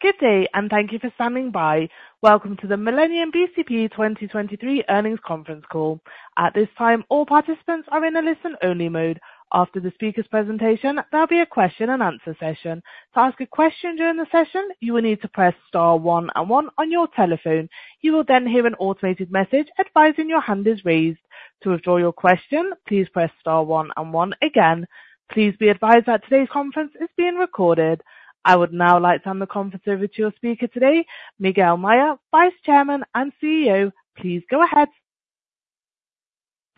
Good day, and thank you for standing by. Welcome to the Millennium BCP 2023 earnings conference call. At this time, all participants are in a listen-only mode. After the speaker's presentation, there'll be a question and answer session. To ask a question during the session, you will need to press star one and one on your telephone. You will then hear an automated message advising your hand is raised. To withdraw your question, please press star one and one again. Please be advised that today's conference is being recorded. I would now like to turn the conference over to your speaker today, Miguel Maya, Vice Chairman and CEO. Please go ahead.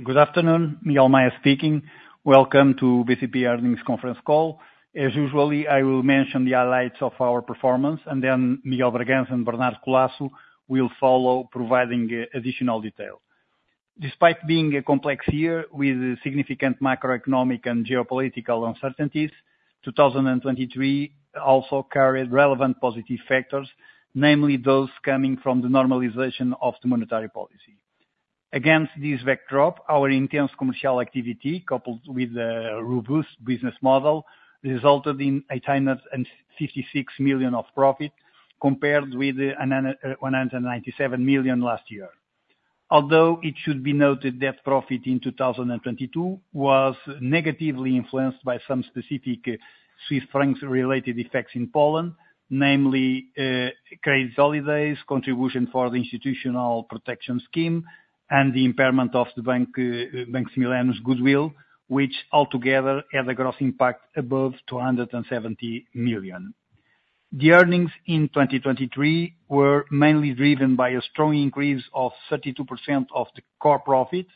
Good afternoon, Miguel Maya speaking. Welcome to BCP earnings conference call. As usual, I will mention the highlights of our performance, and then Miguel Bragança and Bernardo Collaço will follow, providing additional detail. Despite being a complex year with significant macroeconomic and geopolitical uncertainties, 2023 also carried relevant positive factors, namely, those coming from the normalization of the monetary policy. Against this backdrop, our intense commercial activity, coupled with a robust business model, resulted in 856 million of profit, compared with 197 million last year. Although it should be noted that profit in 2022 was negatively influenced by some specific Swiss francs related effects in Poland, namely, credit holidays, contribution for the institutional protection scheme, and the impairment of the bank, Bank Millennium's goodwill, which altogether had a gross impact above 270 million. The earnings in 2023 were mainly driven by a strong increase of 32% of the core profit,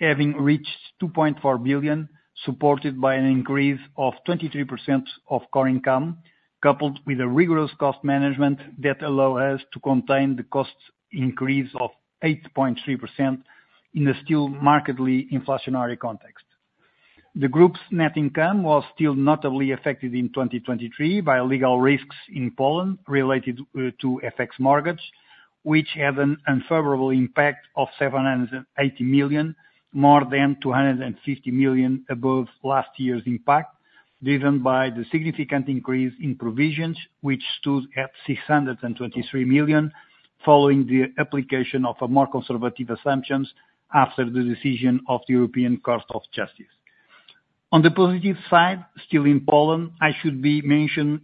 having reached 2.4 billion, supported by an increase of 23% of core income, coupled with a rigorous cost management that allow us to contain the cost increase of 8.3% in a still markedly inflationary context. The group's net income was still notably affected in 2023 by legal risks in Poland related to FX mortgage, which had an unfavorable impact of 780 million, more than 250 million above last year's impact, driven by the significant increase in provisions, which stood at 623 million, following the application of a more conservative assumptions after the decision of the European Court of Justice. On the positive side, still in Poland, it should be mentioned,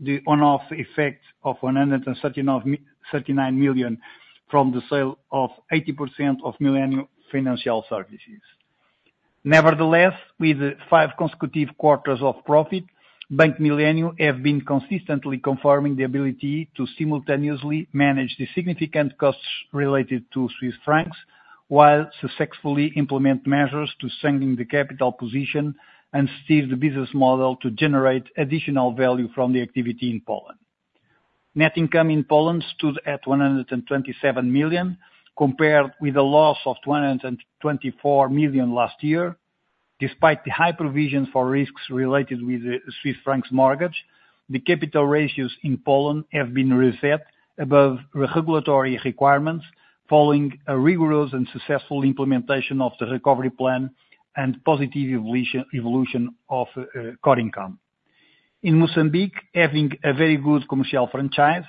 the one-off effect of 139 million from the sale of 80% of Millennium Financial Services. Nevertheless, with five consecutive quarters of profit, Bank Millennium have been consistently confirming the ability to simultaneously manage the significant costs related to Swiss francs, while successfully implement measures to strengthening the capital position and steer the business model to generate additional value from the activity in Poland. Net income in Poland stood at 127 million, compared with a loss of 224 million last year. Despite the high provision for risks related with the Swiss francs mortgage, the capital ratios in Poland have been reset above regulatory requirements, following a rigorous and successful implementation of the recovery plan and positive evolution of core income. In Mozambique, having a very good commercial franchise,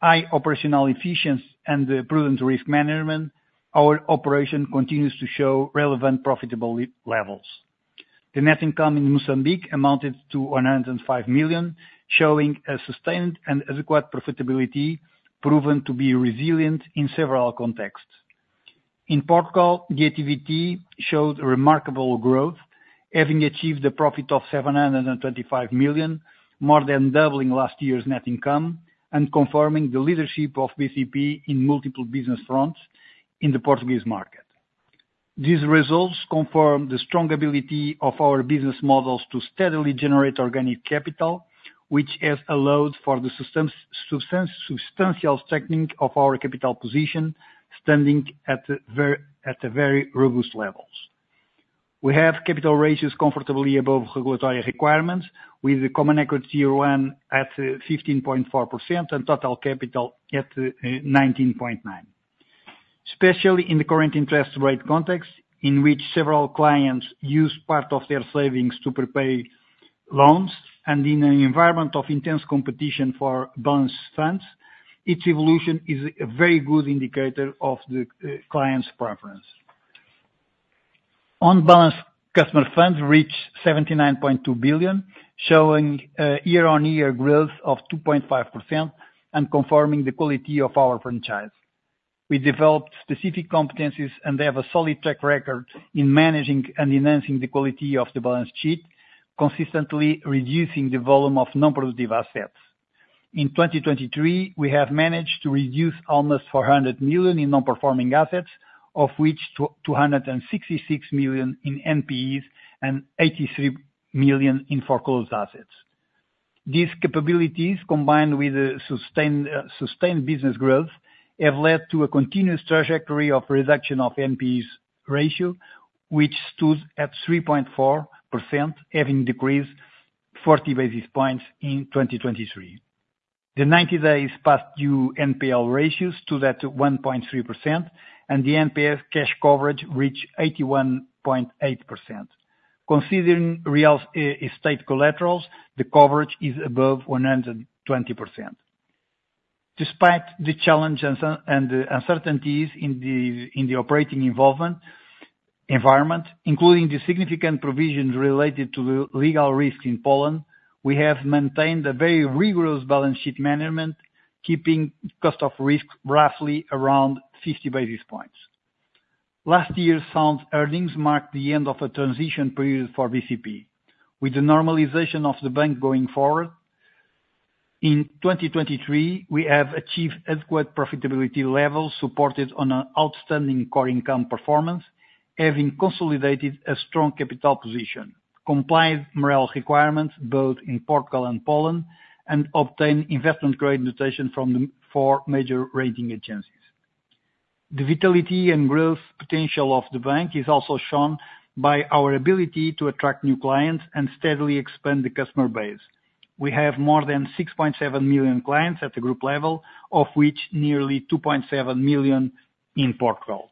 high operational efficiency and a prudent risk management, our operation continues to show relevant profitability levels. The net income in Mozambique amounted to 105 million, showing a sustained and adequate profitability, proven to be resilient in several contexts. In Portugal, the activity showed remarkable growth, having achieved a profit of 725 million, more than doubling last year's net income, and confirming the leadership of BCP in multiple business fronts in the Portuguese market. These results confirm the strong ability of our business models to steadily generate organic capital, which has allowed for the substantial strengthening of our capital position, standing at a very robust levels. We have capital ratios comfortably above regulatory requirements, with a common equity one at 15.4% and total capital at 19.9%. Especially in the current interest rate context, in which several clients use part of their savings to prepay loans, and in an environment of intense competition for balanced funds, its evolution is a very good indicator of the client's preference. On-balance customer funds reached 79.2 billion, showing year-on-year growth of 2.5% and confirming the quality of our franchise. We developed specific competencies, and they have a solid track record in managing and enhancing the quality of the balance sheet, consistently reducing the volume of non-productive assets. In 2023, we have managed to reduce almost 400 million in non-performing assets, of which 266 million in NPEs and 83 million in foreclosed assets. These capabilities, combined with a sustained business growth, have led to a continuous trajectory of reduction of NPEs ratio, which stood at 3.4%, having decreased 40 basis points in 2023. The 90 days past due NPL ratios stood at 1.3%, and the NPL cash coverage reached 81.8%. Considering real estate collaterals, the coverage is above 120%. Despite the challenges and the uncertainties in the operating environment, including the significant provisions related to the legal risk in Poland, we have maintained a very rigorous balance sheet management, keeping cost of risk roughly around 50 basis points. Last year's sound earnings marked the end of a transition period for BCP. With the normalization of the bank going forward, in 2023, we have achieved adequate profitability levels, supported on an outstanding core income performance, having consolidated a strong capital position, complied MREL requirements, both in Portugal and Poland, and obtained investment grade notation from the four major rating agencies. The vitality and growth potential of the bank is also shown by our ability to attract new clients and steadily expand the customer base. We have more than 6.7 million clients at the group level, of which nearly 2.7 million in Portugal.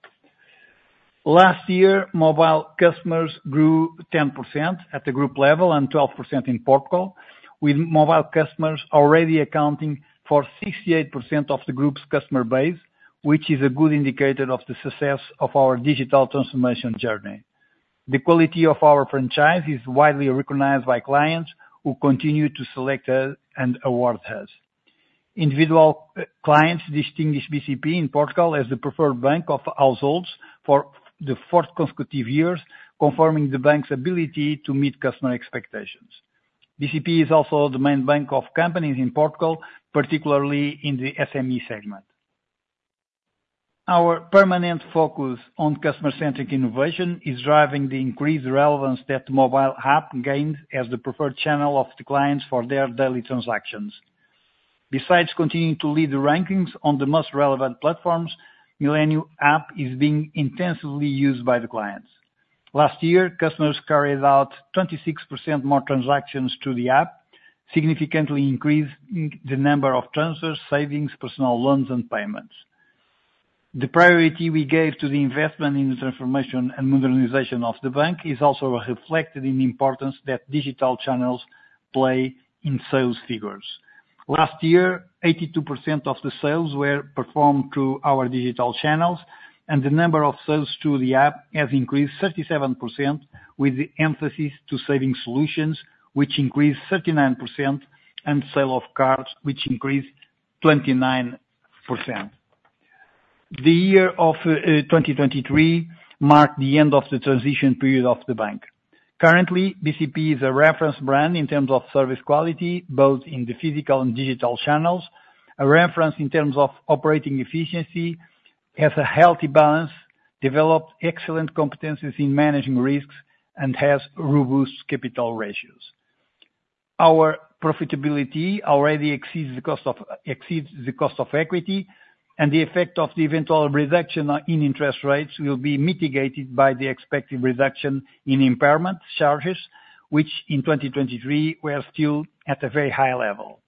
Last year, mobile customers grew 10% at the group level and 12% in Portugal, with mobile customers already accounting for 68% of the group's customer base, which is a good indicator of the success of our digital transformation journey. The quality of our franchise is widely recognized by clients, who continue to select us and award us. Individual clients distinguish BCP in Portugal as the preferred bank of households for the fourth consecutive years, confirming the bank's ability to meet customer expectations. BCP is also the main bank of companies in Portugal, particularly in the SME segment. Our permanent focus on customer-centric innovation is driving the increased relevance that mobile app gained as the preferred channel of the clients for their daily transactions. Besides continuing to lead the rankings on the most relevant platforms, Millennium app is being intensively used by the clients. Last year, customers carried out 26% more transactions through the app, significantly increasing the number of transfers, savings, personal loans, and payments. The priority we gave to the investment in the transformation and modernization of the bank is also reflected in the importance that digital channels play in sales figures. Last year, 82% of the sales were performed through our digital channels, and the number of sales through the app has increased 37%, with the emphasis to saving solutions, which increased 39%, and sale of cards, which increased 29%. The year of 2023 marked the end of the transition period of the bank. Currently, BCP is a reference brand in terms of service quality, both in the physical and digital channels, a reference in terms of operating efficiency, has a healthy balance, developed excellent competencies in managing risks, and has robust capital ratios. Our profitability already exceeds the cost of, exceeds the cost of equity, and the effect of the eventual reduction in interest rates will be mitigated by the expected reduction in impairment charges, which in 2023 were still at a very high level.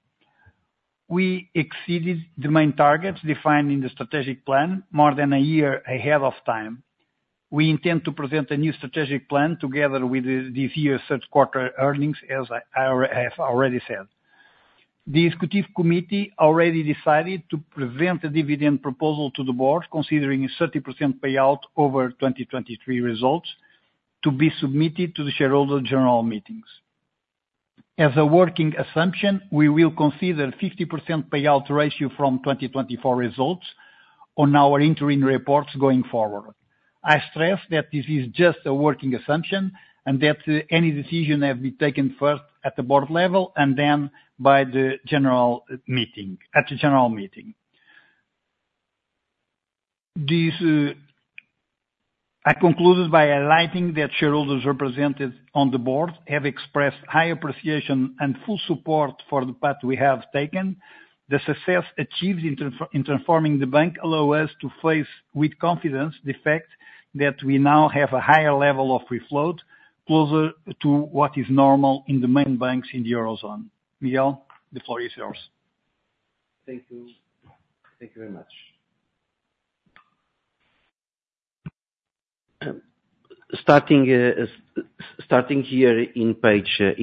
We exceeded the main targets defined in the strategic plan more than a year ahead of time. We intend to present a new strategic plan together with the, this year's third quarter earnings, as I, I have already said. The Executive Committee already decided to present a dividend proposal to the board, considering a 30% payout over 2023 results to be submitted to the shareholder general meetings. As a working assumption, we will consider 50% payout ratio from 2024 results on our interim reports going forward. I stress that this is just a working assumption, and that any decision has been taken first at the board level, and then by the general meeting, at the general meeting. These, I concluded by highlighting that shareholders represented on the board have expressed high appreciation and full support for the path we have taken. The success achieved in transforming the bank allow us to face with confidence the fact that we now have a higher level of free float, closer to what is normal in the main banks in the eurozone. Miguel, the floor is yours. Thank you. Thank you very much. Starting here in page 8,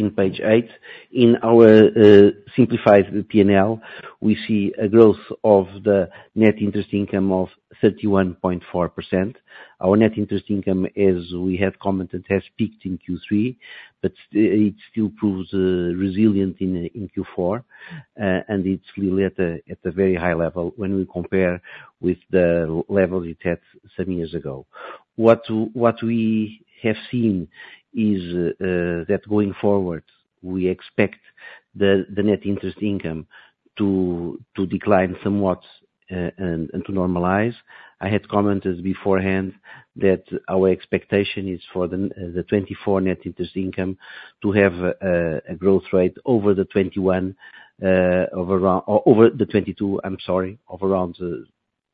in our simplified PNL, we see a growth of the net interest income of 31.4%. Our net interest income, as we have commented, has peaked in Q3, but it still proves resilient in Q4. It's still at a very high level when we compare with the level it had some years ago. What we have seen is that going forward, we expect the net interest income to decline somewhat and to normalize. I had commented beforehand that our expectation is for the 2024 net interest income to have a growth rate over the 2021, over around... Over the twenty-two, I'm sorry, of around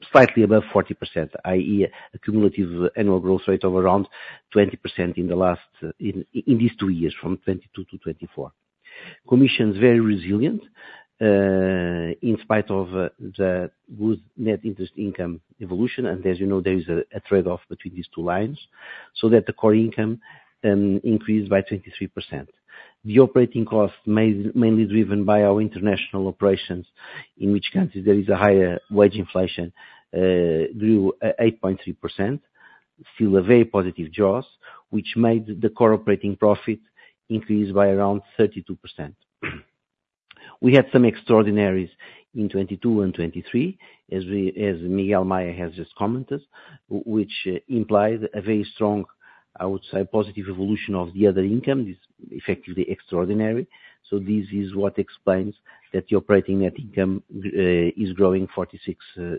2%....slightly above 40%, i.e., a cumulative annual growth rate of around 20% in the last, in these two years, from 2022 to 2024. Commission is very resilient, in spite of the good net interest income evolution. And as you know, there is a trade-off between these two lines, so that the core income increased by 23%. The operating cost mainly driven by our international operations, in which countries there is a higher wage inflation, grew 8.3%. Still a very positive jaws, which made the core operating profit increase by around 32%. We had some extraordinaries in 2022 and 2023, as Miguel Maya has just commented, which implied a very strong, I would say, positive evolution of the other income, is effectively extraordinary. This is what explains that the operating net income is growing 46%.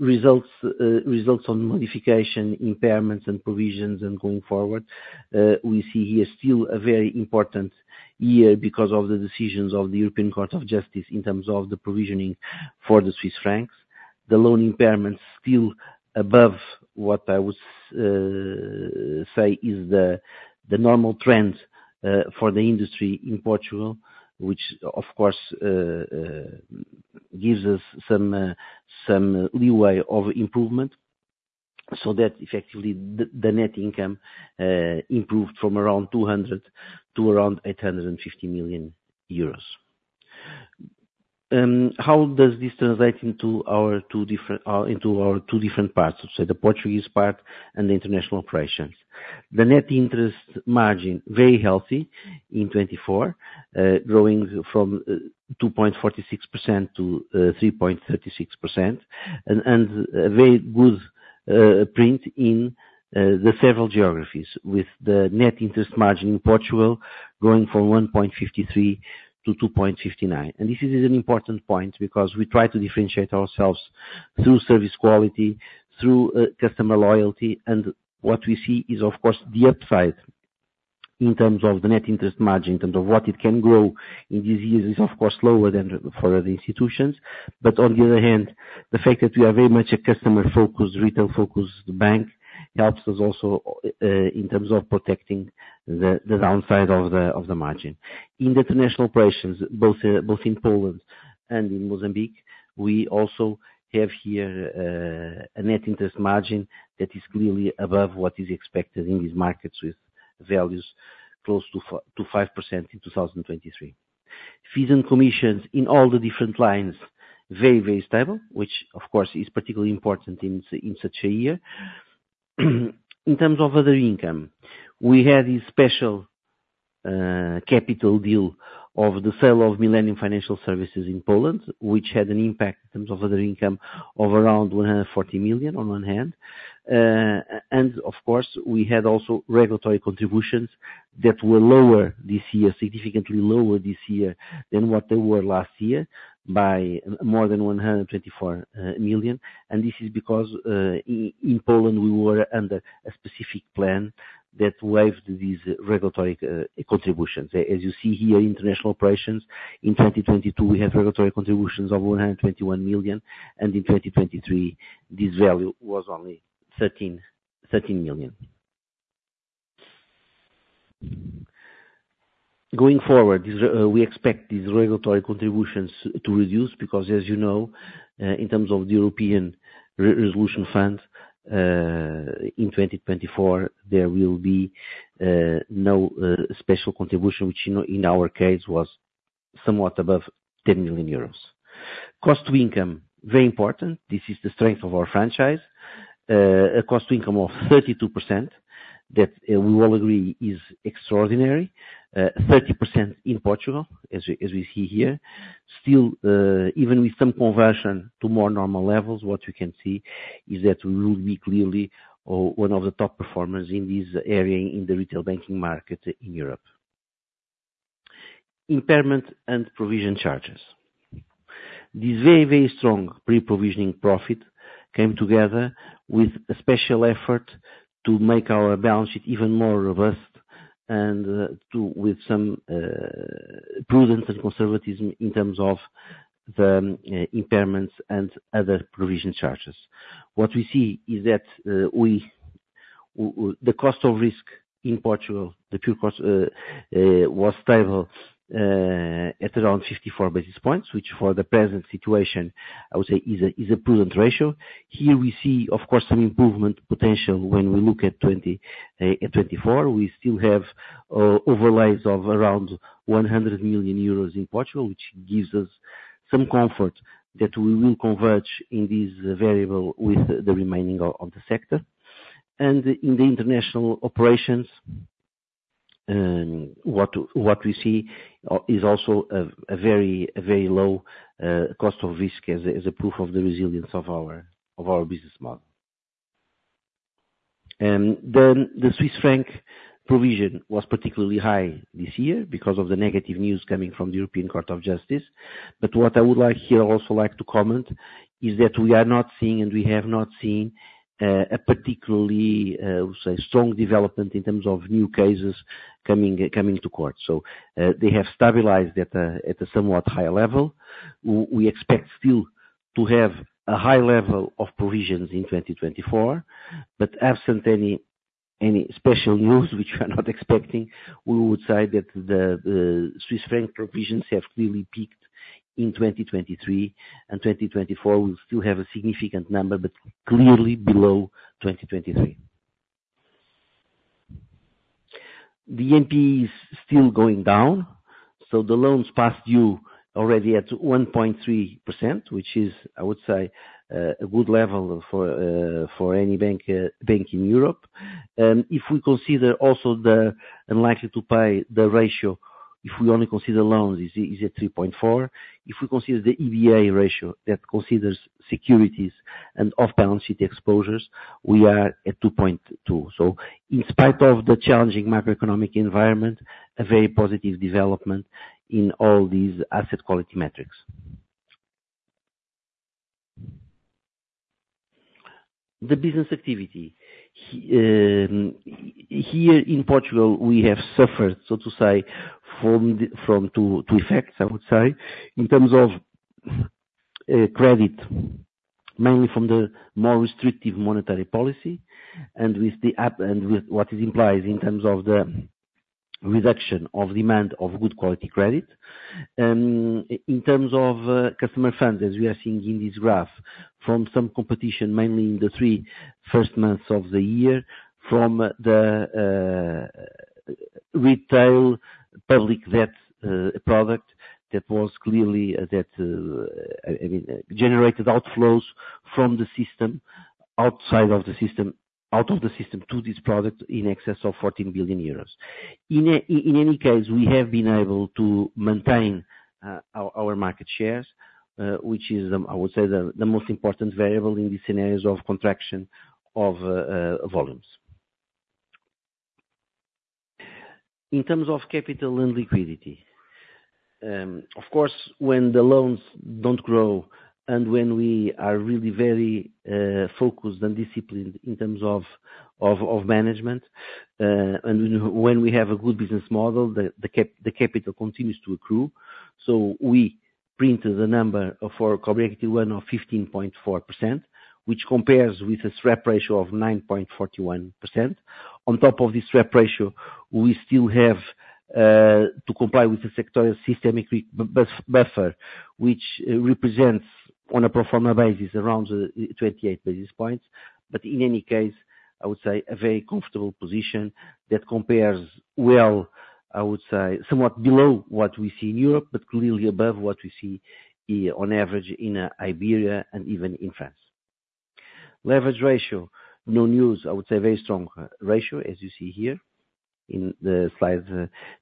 Results on modification, impairments, and provisions and going forward, we see here still a very important year because of the decisions of the European Court of Justice in terms of the provisioning for the Swiss francs. The loan impairments still above what I would say is the normal trend for the industry in Portugal, which, of course, gives us some leeway of improvement, so that effectively the net income improved from around 200 million to around 850 million euros. How does this translate into our two different parts, so the Portuguese part and the international operations? The net interest margin, very healthy in 2024, growing from 2.46% to 3.36%, and a very good print in the several geographies, with the net interest margin in Portugal going from 1.53% to 2.59%. And this is an important point, because we try to differentiate ourselves through service quality, through customer loyalty, and what we see is, of course, the upside in terms of the net interest margin, in terms of what it can grow in these years is, of course, lower than for other institutions. But on the other hand, the fact that we are very much a customer-focused, retail-focused bank, helps us also in terms of protecting the downside of the margin. In the international operations, both in Poland and in Mozambique, we also have here a net interest margin that is clearly above what is expected in these markets, with values close to 5% in 2023. Fees and commissions in all the different lines, very, very stable, which of course is particularly important in such a year. In terms of other income, we had a special capital deal of the sale of Millennium Financial Services in Poland, which had an impact in terms of other income of around 140 million on one hand. And of course, we had also regulatory contributions that were lower this year, significantly lower this year than what they were last year by more than 124 million. And this is because in Poland, we were under a specific plan that waived these regulatory contributions. As you see here, international operations, in 2022, we have regulatory contributions of 121 million, and in 2023, this value was only 13 million. Going forward, these we expect these regulatory contributions to reduce, because, as you know, in terms of the European resolution fund, in 2024, there will be no special contribution, which in our case, was somewhat above 10 million euros. Cost to income, very important. This is the strength of our franchise. A cost to income of 32% that we all agree is extraordinary. 30% in Portugal, as we see here. Still, even with some conversion to more normal levels, what we can see is that we will be clearly, one of the top performers in this area, in the retail banking market in Europe. Impairment and provision charges. This very, very strong pre-provisioning profit came together with a special effort to make our balance sheet even more robust and, with some prudence and conservatism in terms of the impairments and other provision charges. What we see is that the cost of risk in Portugal, the pure cost, was stable at around 54 basis points, which for the present situation, I would say is a prudent ratio. Here we see, of course, some improvement potential when we look at twenty, at 2024. We still have overlays of around 100 million euros in Portugal, which gives us some comfort that we will converge in this variable with the remaining of the sector. And in the international operations, what we see is also a very low cost of risk as a proof of the resilience of our business model. And then the Swiss franc provision was particularly high this year because of the negative news coming from the European Court of Justice. But what I would like here, also like to comment, is that we are not seeing, and we have not seen, a particularly, say, strong development in terms of new cases coming to court. So, they have stabilized at a somewhat higher level. We expect still to have a high level of provisions in 2024, but absent any special news which we are not expecting, we would say that the Swiss franc provisions have clearly peaked in 2023, and 2024, we still have a significant number, but clearly below 2023. The NPE is still going down, so the loans past due already at 1.3%, which is, I would say, a good level for any bank in Europe. If we consider also the unlikely to pay the ratio, if we only consider loans, is at 3.4. If we consider the EBA ratio, that considers securities and off-balance sheet exposures, we are at 2.2. So in spite of the challenging macroeconomic environment, a very positive development in all these asset quality metrics. The business activity. Here in Portugal, we have suffered, so to say, from two effects, I would say. In terms of credit, mainly from the more restrictive monetary policy and with the app, and with what it implies in terms of the reduction of demand of good quality credit. In terms of customer funds, as we are seeing in this graph, from some competition, mainly in the first three months of the year, from the retail public debt product, that was clearly that. I mean, generated outflows from the system, out of the system to this product in excess of 14 billion euros. In any case, we have been able to maintain our market shares, which is, I would say, the most important variable in these scenarios of contraction of volumes. In terms of capital and liquidity, of course, when the loans don't grow and when we are really very focused and disciplined in terms of management, and when we have a good business model, the capital continues to accrue. So we printed a number for core equity one of 15.4%, which compares with a SREP ratio of 9.41%. On top of this SREP ratio, we still have to comply with the sectoral systemic risk buffer, which represents on a pro forma basis, around 28 basis points. But in any case, I would say a very comfortable position that compares well, I would say, somewhat below what we see in Europe, but clearly above what we see here on average in Iberia and even in France. Leverage ratio, no news. I would say very strong ratio as you see here in the slide,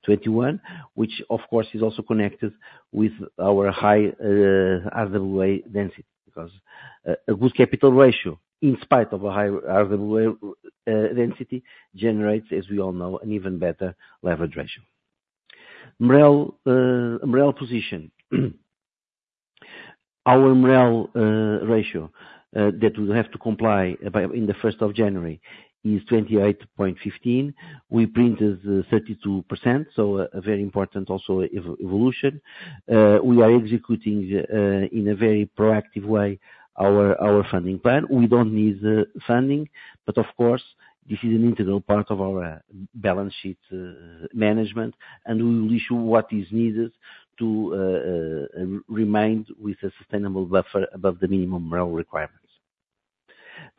21, which of course is also connected with our high RWA density. Because a good capital ratio, in spite of a high RWA density, generates, as we all know, an even better leverage ratio. MREL MREL position. Our MREL ratio that we have to comply by, in the first of January, is 28.15. We printed 32%, so a very important also evolution. We are executing in a very proactive way, our funding plan. We don't need the funding, but of course, this is an integral part of our balance sheet management, and we will issue what is needed to remain with a sustainable buffer above the minimum MREL requirements.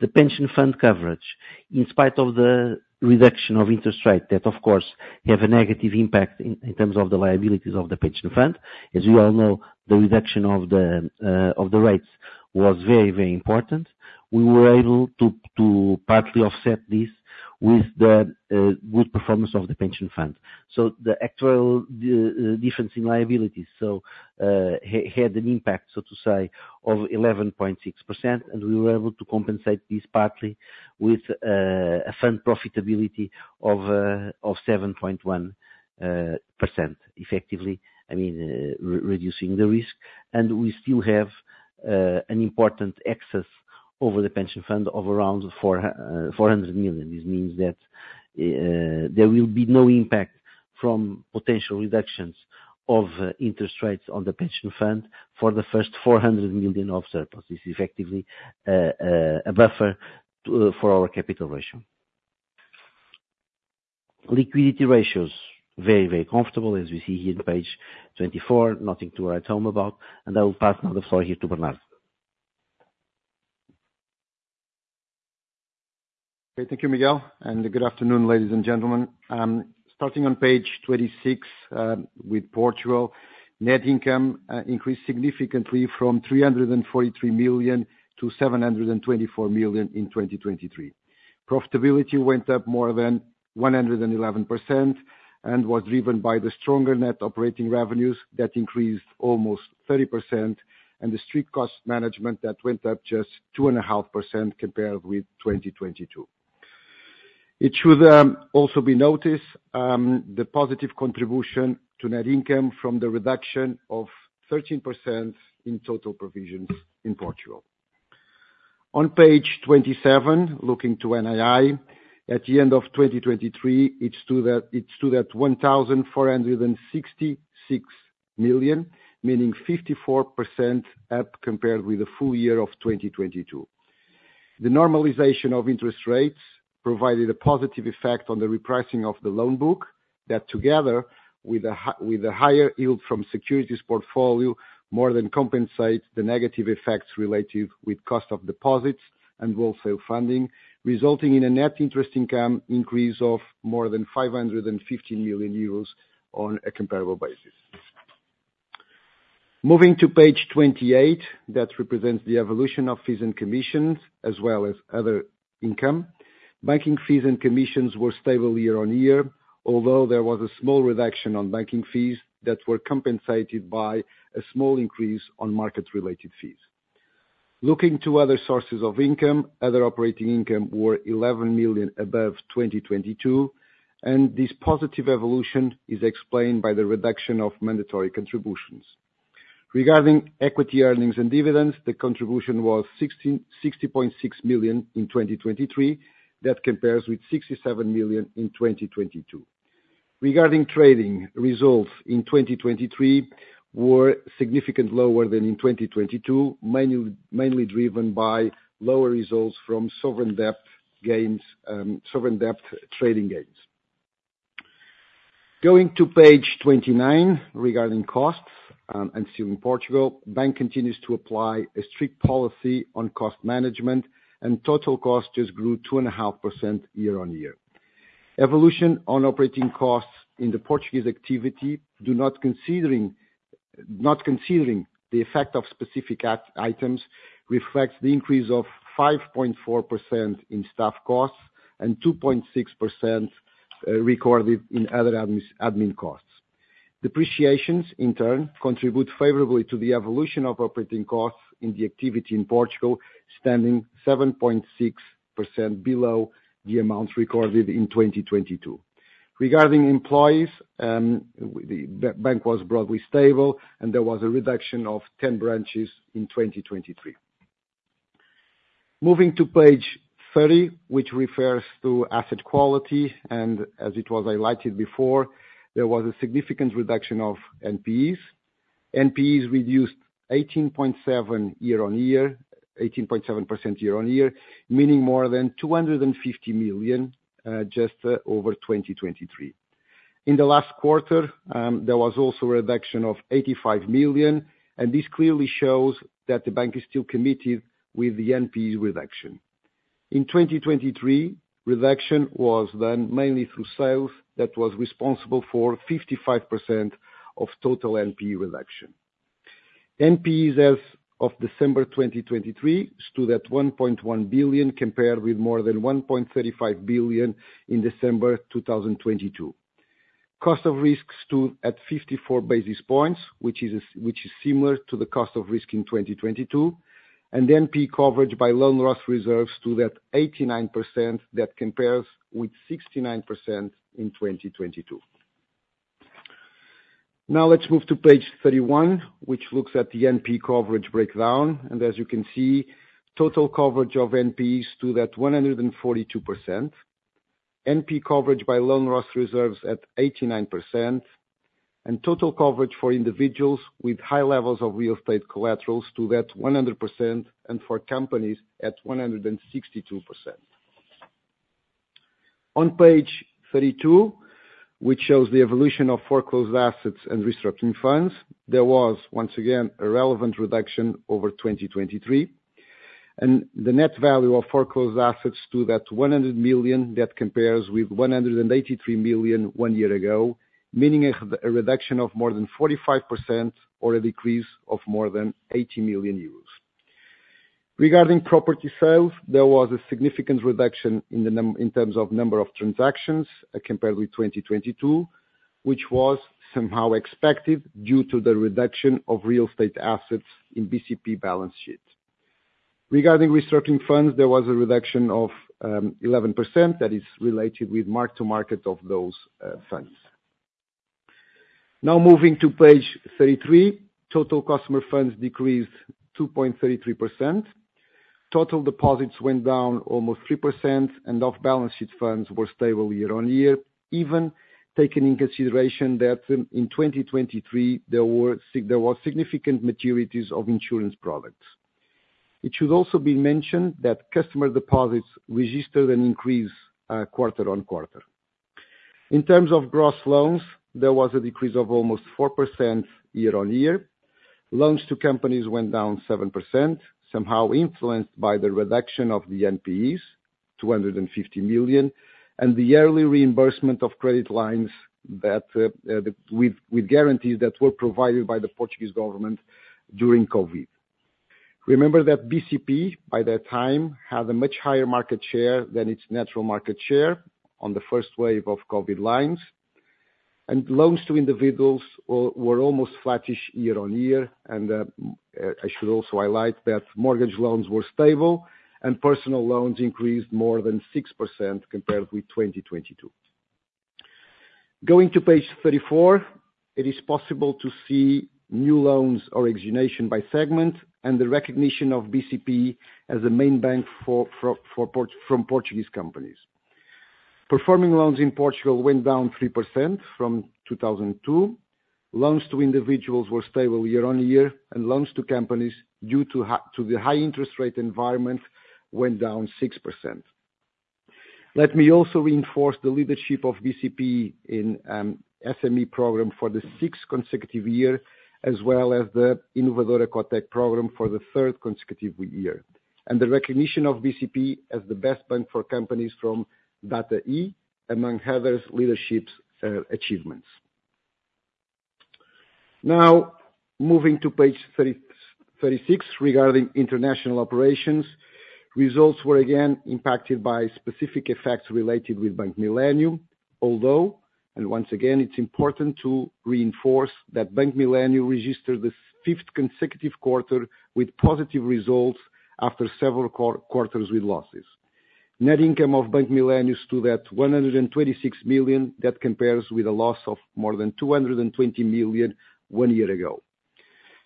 The pension fund coverage, in spite of the reduction of interest rate, that of course, have a negative impact in terms of the liabilities of the pension fund. As you all know, the reduction of the rates was very, very important. We were able to partly offset this with the good performance of the pension fund. So the actual difference in liabilities had an impact, so to say, of 11.6%, and we were able to compensate this partly with a fund profitability of 7.1%. Effectively, I mean, reducing the risk, and we still have an important excess over the pension fund of around 400 million. This means that there will be no impact from potential reductions of interest rates on the pension fund for the first 400 million of surplus. This is effectively a buffer for our capital ratio. Liquidity ratios, very, very comfortable, as we see here on page 24. Nothing to write home about, and I will pass now the floor here to Bernardo. Okay, thank you, Miguel, and good afternoon, ladies and gentlemen. Starting on page 26, with Portugal, net income increased significantly from 343 million to 724 million in 2023. Profitability went up more than 111% and was driven by the stronger net operating revenues that increased almost 30%, and the strict cost management that went up just 2.5% compared with 2022. It should also be noticed the positive contribution to net income from the reduction of 13% in total provisions in Portugal. On page 27, looking to NII, at the end of 2023, it stood at 1,466 million, meaning 54% up compared with the full year of 2022. The normalization of interest rates provided a positive effect on the repricing of the loan book, that together with a higher yield from securities portfolio, more than compensates the negative effects related with cost of deposits and wholesale funding, resulting in a net interest income increase of more than 550 million euros on a comparable basis. Moving to page 28, that represents the evolution of fees and commissions, as well as other income. Banking fees and commissions were stable year-on-year, although there was a small reduction on banking fees that were compensated by a small increase on market-related fees. Looking to other sources of income, other operating income were 11 million above 2022, and this positive evolution is explained by the reduction of mandatory contributions. Regarding equity earnings and dividends, the contribution was 60.6 million in 2023. That compares with 67 million in 2022. Regarding trading, results in 2023 were significantly lower than in 2022, mainly driven by lower results from sovereign debt gains, sovereign debt trading gains. Going to page 29, regarding costs, and still in Portugal, the bank continues to apply a strict policy on cost management, and total costs just grew 2.5% year-on-year. Evolution on operating costs in the Portuguese activity, not considering the effect of specific items, reflects the increase of 5.4% in staff costs and 2.6% recorded in other admin costs. Depreciations, in turn, contribute favorably to the evolution of operating costs in the activity in Portugal, standing 7.6% below the amount recorded in 2022. Regarding employees, the bank was broadly stable, and there was a reduction of 10 branches in 2023. Moving to page 30, which refers to asset quality, and as it was highlighted before, there was a significant reduction of NPEs. NPEs reduced 18.7 year-on-year, 18.7% year-on-year, meaning more than 250 million just over 2023. In the last quarter, there was also a reduction of 85 million, and this clearly shows that the bank is still committed with the NPE reduction. In 2023, reduction was done mainly through sales that was responsible for 55% of total NPE reduction. NPEs as of December 2023 stood at 1.1 billion, compared with more than 1.35 billion in December 2022. Cost of risk stood at 54 basis points, which is similar to the cost of risk in 2022, and NPE coverage by loan loss reserves stood at 89%. That compares with 69% in 2022. Now let's move to page 31, which looks at the NPE coverage breakdown, and as you can see, total coverage of NPEs stood at 142%. NPE coverage by loan loss reserves at 89%, and total coverage for individuals with high levels of real estate collaterals stood at 100%, and for companies at 162%. On page 32, which shows the evolution of foreclosed assets and restructuring funds, there was once again a relevant reduction over 2023. The net value of foreclosed assets stood at 100 million. That compares with 183 million one year ago, meaning a reduction of more than 45% or a decrease of more than 80 million euros. Regarding property sales, there was a significant reduction in terms of number of transactions, compared with 2022, which was somehow expected due to the reduction of real estate assets in BCP balance sheet. Regarding restructuring funds, there was a reduction of 11% that is related with mark to market of those funds. Now moving to page 33, total customer funds decreased 2.33%. Total deposits went down almost 3%, and off-balance sheet funds were stable year-on-year, even taking in consideration that in 2023, there was significant maturities of insurance products. It should also be mentioned that customer deposits registered an increase, quarter-on-quarter. In terms of gross loans, there was a decrease of almost 4% year-on-year. Loans to companies went down 7%, somehow influenced by the reduction of the NPEs, 250 million, and the early reimbursement of credit lines that with guarantees that were provided by the Portuguese government during COVID. Remember that BCP, by that time, had a much higher market share than its natural market share on the first wave of COVID lines, and loans to individuals were almost flattish year-on-year. I should also highlight that mortgage loans were stable, and personal loans increased more than 6% compared with 2022. Going to page 34, it is possible to see new loans origination by segment and the recognition of BCP as a main bank for Portuguese companies. Performing loans in Portugal went down 3% from 2022. Loans to individuals were stable year-on-year, and loans to companies, due to the high interest rate environment, went down 6%. Let me also reinforce the leadership of BCP in SME program for the sixth consecutive year, as well as the Inovadora COTEC program for the third consecutive year, and the recognition of BCP as the best bank for companies from Data E, among others leaderships, achievements. Now, moving to page 36, regarding international operations, results were again impacted by specific effects related with Bank Millennium. Although, and once again, it's important to reinforce that Bank Millennium registered the fifth consecutive quarter with positive results after several quarters with losses. Net income of Bank Millennium is stood at 126 million, that compares with a loss of more than 220 million one year ago.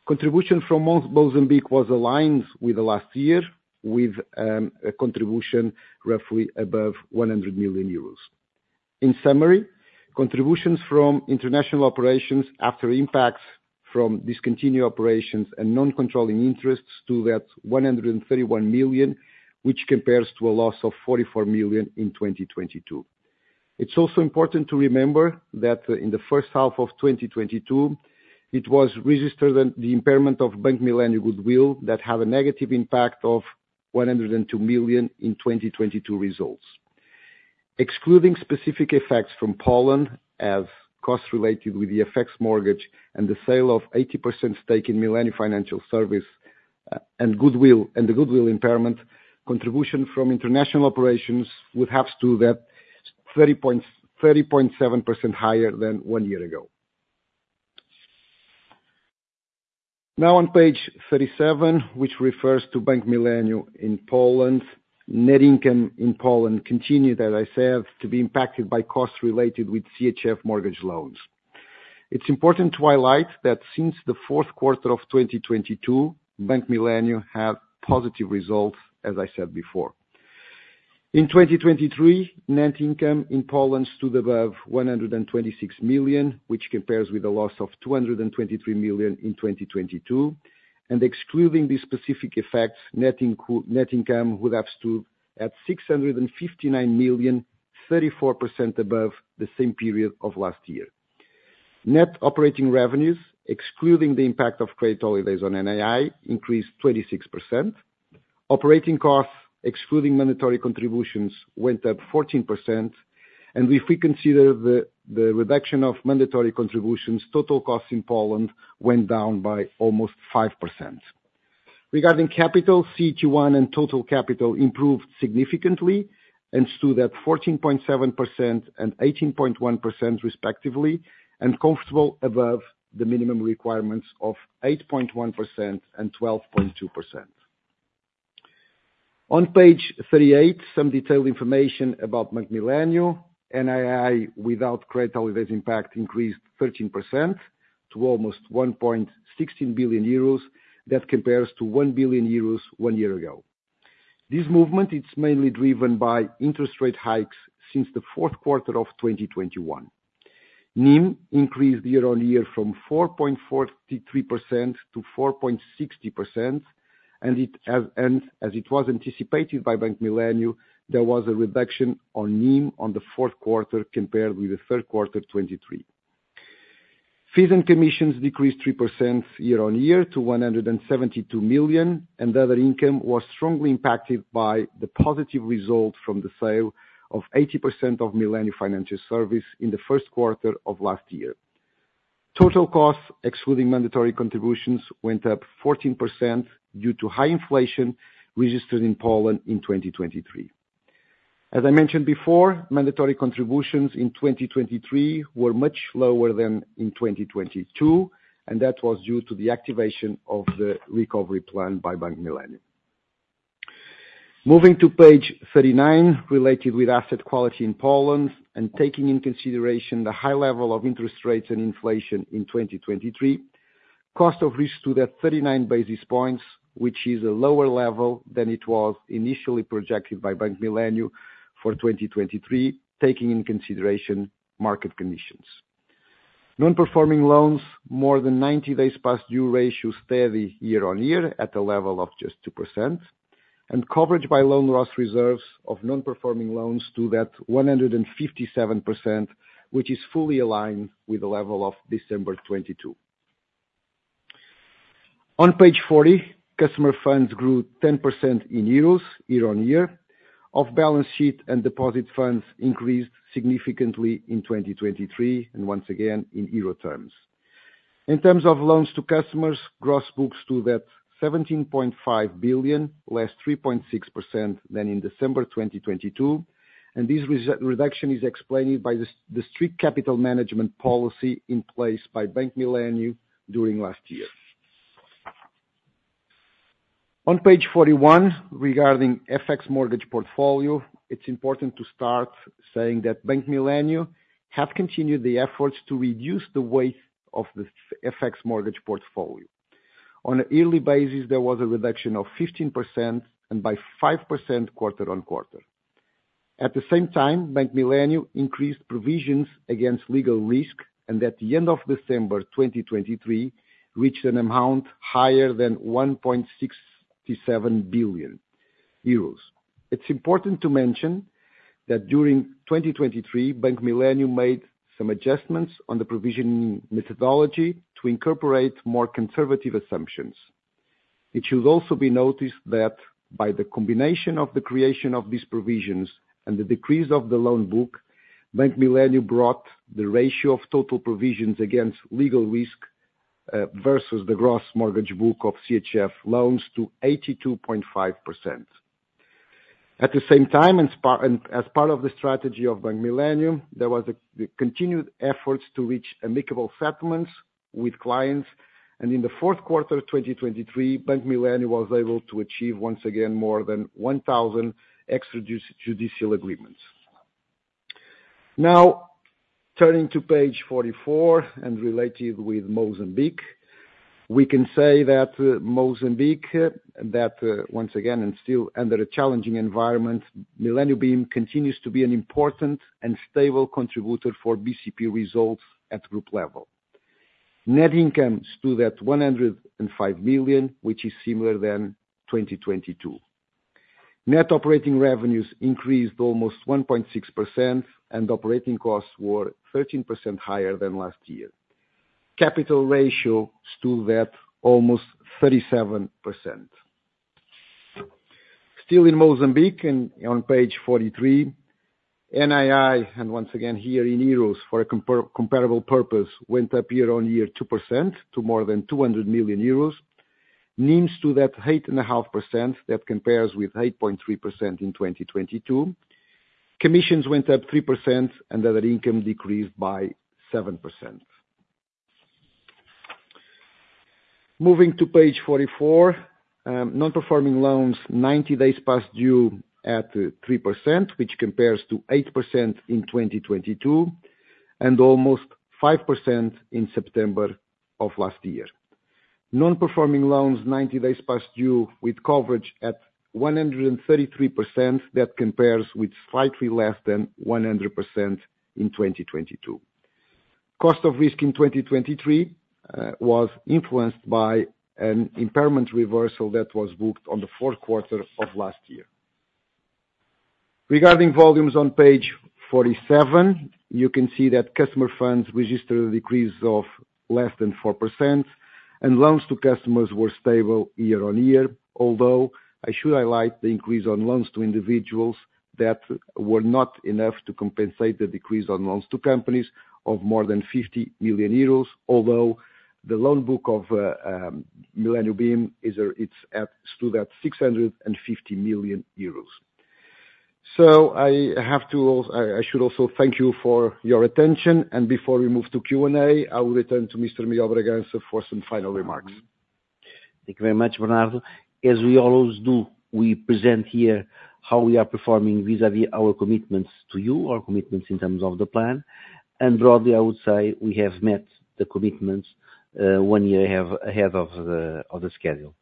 Contribution from Mozambique was aligned with the last year, with a contribution roughly above 100 million euros. In summary, contributions from international operations after impacts from discontinued operations and non-controlling interests stood at 131 million, which compares to a loss of 44 million in 2022. It's also important to remember that in the first half of 2022, it was registered in the impairment of Bank Millennium goodwill, that had a negative impact of 102 million in 2022 results. Excluding specific effects from Poland, as costs related with the FX mortgage and the sale of 80% stake in Millennium Financial Services, and goodwill and the goodwill impairment, contribution from international operations would have stood at 30.7% higher than one year ago. Now on page 37, which refers to Bank Millennium in Poland. Net income in Poland continued, as I said, to be impacted by costs related with CHF mortgage loans. It's important to highlight that since the fourth quarter of 2022, Bank Millennium have positive results, as I said before. In 2023, net income in Poland stood above 126 million, which compares with a loss of 223 million in 2022. Excluding these specific effects, net income would have stood at 659 million, 34% above the same period of last year. Net operating revenues, excluding the impact of credit holidays on NII, increased 26%. Operating costs, excluding mandatory contributions, went up 14%, and if we consider the reduction of mandatory contributions, total costs in Poland went down by almost 5%. Regarding capital, CET1 and total capital improved significantly and stood at 14.7% and 18.1% respectively, and comfortable above the minimum requirements of 8.1% and 12.2%. On page 38, some detailed information about Bank Millennium. NII, without credit holiday impact increased 13% to almost 1.16 billion euros. That compares to 1 billion euros one year ago. This movement, it's mainly driven by interest rate hikes since the fourth quarter of 2021. NIM increased year-on-year from 4.43% to 4.60%, and it, and as it was anticipated by Bank Millennium, there was a reduction on NIM on the fourth quarter compared with the third quarter of 2023. Fees and commissions decreased 3% year-on-year to 172 million, and the other income was strongly impacted by the positive result from the sale of 80% of Millennium Financial Services in the first quarter of last year. Total costs, excluding mandatory contributions, went up 14% due to high inflation registered in Poland in 2023. As I mentioned before, mandatory contributions in 2023 were much lower than in 2022, and that was due to the activation of the recovery plan by Bank Millennium. Moving to page 39, related with asset quality in Poland, and taking into consideration the high level of interest rates and inflation in 2023, cost of risk stood at 39 basis points, which is a lower level than it was initially projected by Bank Millennium for 2023, taking into consideration market conditions. Non-performing loans, more than 90 days past due ratio, steady year-on-year at a level of just 2%, and coverage by loan loss reserves of non-performing loans stood at 157%, which is fully aligned with the level of December 2022. On page 40, customer funds grew 10% in EUR, year-on-year. Off-balance sheet and deposit funds increased significantly in 2023, and once again, in EUR terms. In terms of loans to customers, gross books stood at 17.5 billion, less 3.6% than in December 2022, and this reduction is explained by the strict capital management policy in place by Bank Millennium during last year. On page 41, regarding FX mortgage portfolio, it's important to start saying that Bank Millennium have continued the efforts to reduce the weight of the FX mortgage portfolio.... on an yearly basis, there was a reduction of 15%, and by 5% quarter on quarter. At the same time, Bank Millennium increased provisions against legal risk, and at the end of December 2023, reached an amount higher than 1.67 billion euros. It's important to mention that during 2023, Bank Millennium made some adjustments on the provision methodology to incorporate more conservative assumptions. It should also be noticed that by the combination of the creation of these provisions and the decrease of the loan book, Bank Millennium brought the ratio of total provisions against legal risk versus the gross mortgage book of CHF loans to 82.5%. At the same time, and as part of the strategy of Bank Millennium, there was the continued efforts to reach amicable settlements with clients, and in the fourth quarter of 2023, Bank Millennium was able to achieve, once again, more than 1,000 extrajudicial agreements. Now, turning to page 44, and related with Mozambique, we can say that Mozambique, that once again, and still under a challenging environment, Millennium bim continues to be an important and stable contributor for BCP results at group level. Net income stood at 105 million, which is similar than 2022. Net operating revenues increased almost 1.6%, and operating costs were 13% higher than last year. Capital ratio stood at almost 37%. Still in Mozambique, and on page 43, NII, and once again, here in euros for a comparable purpose, went up year-on-year 2% to more than 200 million euros. Means to that 8.5%, that compares with 8.3% in 2022. Commissions went up 3%, and other income decreased by 7%. Moving to page 44, non-performing loans, 90 days past due at, three percent, which compares to 8% in 2022, and almost 5% in September of last year. Non-performing loans 90 days past due with coverage at 133%. That compares with slightly less than 100% in 2022. Cost of risk in 2023 was influenced by an impairment reversal that was booked in the fourth quarter of last year. Regarding volumes on page 47, you can see that customer funds registered a decrease of less than 4%, and loans to customers were stable year-on-year. Although, I should highlight the increase in loans to individuals that was not enough to compensate the decrease in loans to companies of more than 50 million euros. Although, the loan book of Millennium bim is at, it's at, stood at 650 million euros. So I have to, I, I should also thank you for your attention, and before we move to Q&A, I will return to Mr. Miguel de Bragança for some final remarks. Thank you very much, Bernardo. As we always do, we present here how we are performing vis-a-vis our commitments to you, our commitments in terms of the plan. Broadly, I would say we have met the commitments, one year ahead of the schedule.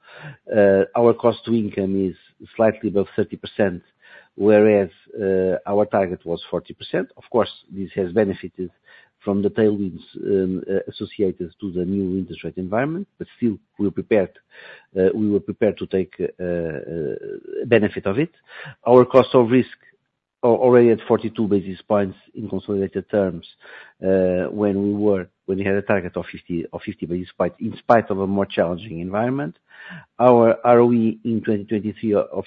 Our cost to income is slightly above 30%, whereas our target was 40%. Of course, this has benefited from the tailwinds associated to the new interest rate environment, but still, we're prepared, we were prepared to take benefit of it. Our cost of risk are already at 42 basis points in consolidated terms, when we had a target of 50 basis points, in spite of a more challenging environment. Our ROE in 2023, of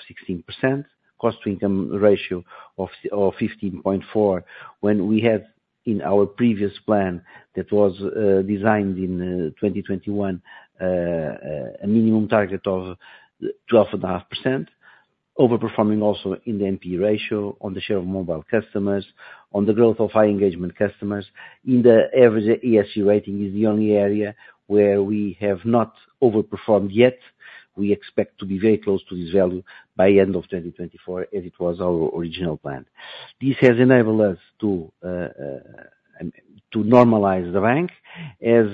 16%, cost to income ratio of 15.4, when we had in our previous plan that was designed in 2021, a minimum target of 12.5%. Overperforming also in the NPE ratio, on the share of mobile customers, on the growth of high engagement customers. In the average ESG rating is the only area where we have not overperformed yet. We expect to be very close to this value by end of 2024, as it was our original plan. This has enabled us to to normalize the bank. As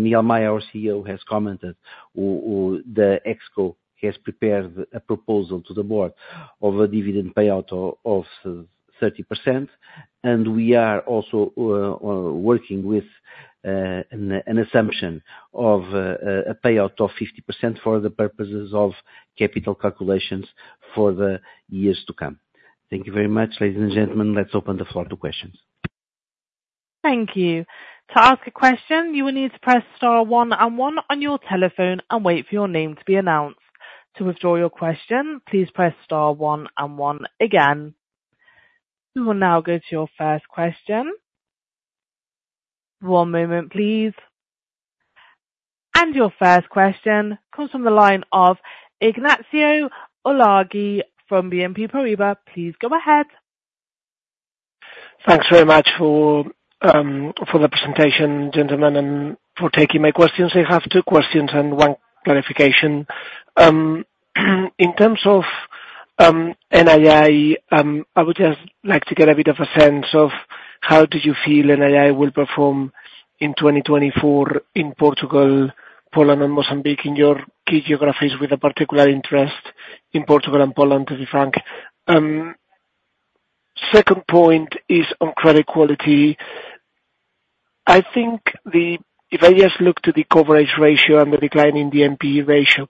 Miguel Maya, our CEO, has commented, the ExCo has prepared a proposal to the board of a dividend payout of 30%, and we are also working with an assumption of a payout of 50% for the purposes of capital calculations for the years to come. Thank you very much, ladies and gentlemen. Let's open the floor to questions. Thank you. To ask a question, you will need to press star one and one on your telephone and wait for your name to be announced. To withdraw your question, please press star one and one again. We will now go to your first question. One moment, please. And your first question comes from the line of Ignacio Ulargui from BNP Paribas. Please go ahead. Thanks very much for, for the presentation, gentlemen, and for taking my questions. I have two questions and one clarification. In terms of-... NII, I would just like to get a bit of a sense of how do you feel NII will perform in 2024 in Portugal, Poland and Mozambique, in your key geographies, with a particular interest in Portugal and Poland, to be frank. Second point is on credit quality. I think the, if I just look to the coverage ratio and the decline in the NPE ratio,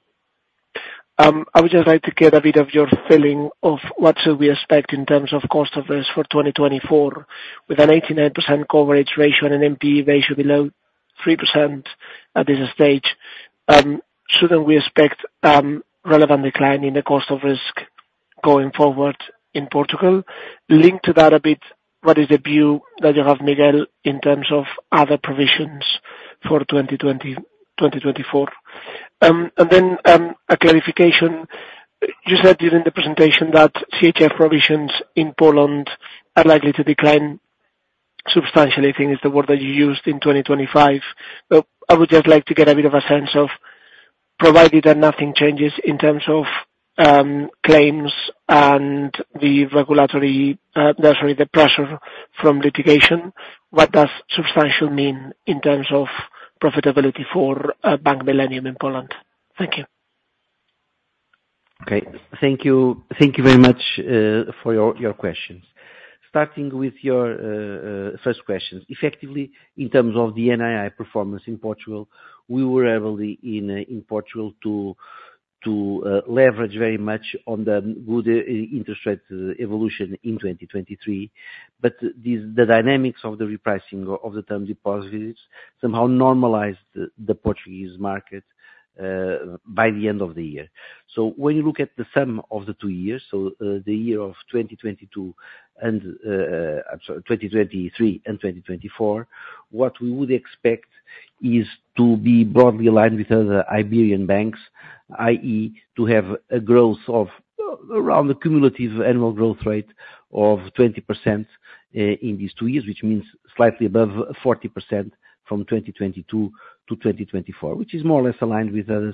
I would just like to get a bit of your feeling of what should we expect in terms of cost of risk for 2024, with an 89% coverage ratio and an NPE ratio below 3% at this stage, shouldn't we expect, relevant decline in the cost of risk going forward in Portugal? Linked to that a bit, what is the view that you have, Miguel, in terms of other provisions for 2020, 2024? And then, a clarification: you said during the presentation that CHF provisions in Poland are likely to decline substantially, I think is the word that you used, in 2025. But I would just like to get a bit of a sense of, provided that nothing changes in terms of, claims and the regulatory, necessarily the pressure from litigation, what does substantial mean in terms of profitability for, Bank Millennium in Poland? Thank you. Okay. Thank you, thank you very much for your, your questions. Starting with your first question. Effectively, in terms of the NII performance in Portugal, we were able in Portugal to leverage very much on the good interest rate evolution in 2023, but these, the dynamics of the repricing of the term deposits somehow normalized the Portuguese market by the end of the year. So when you look at the sum of the two years, the year of 2022 and 2023 and 2024, what we would expect is to be broadly aligned with other Iberian banks, i.e., to have a growth of around the cumulative annual growth rate of 20%, in these two years, which means slightly above 40% from 2022 to 2024, which is more or less aligned with other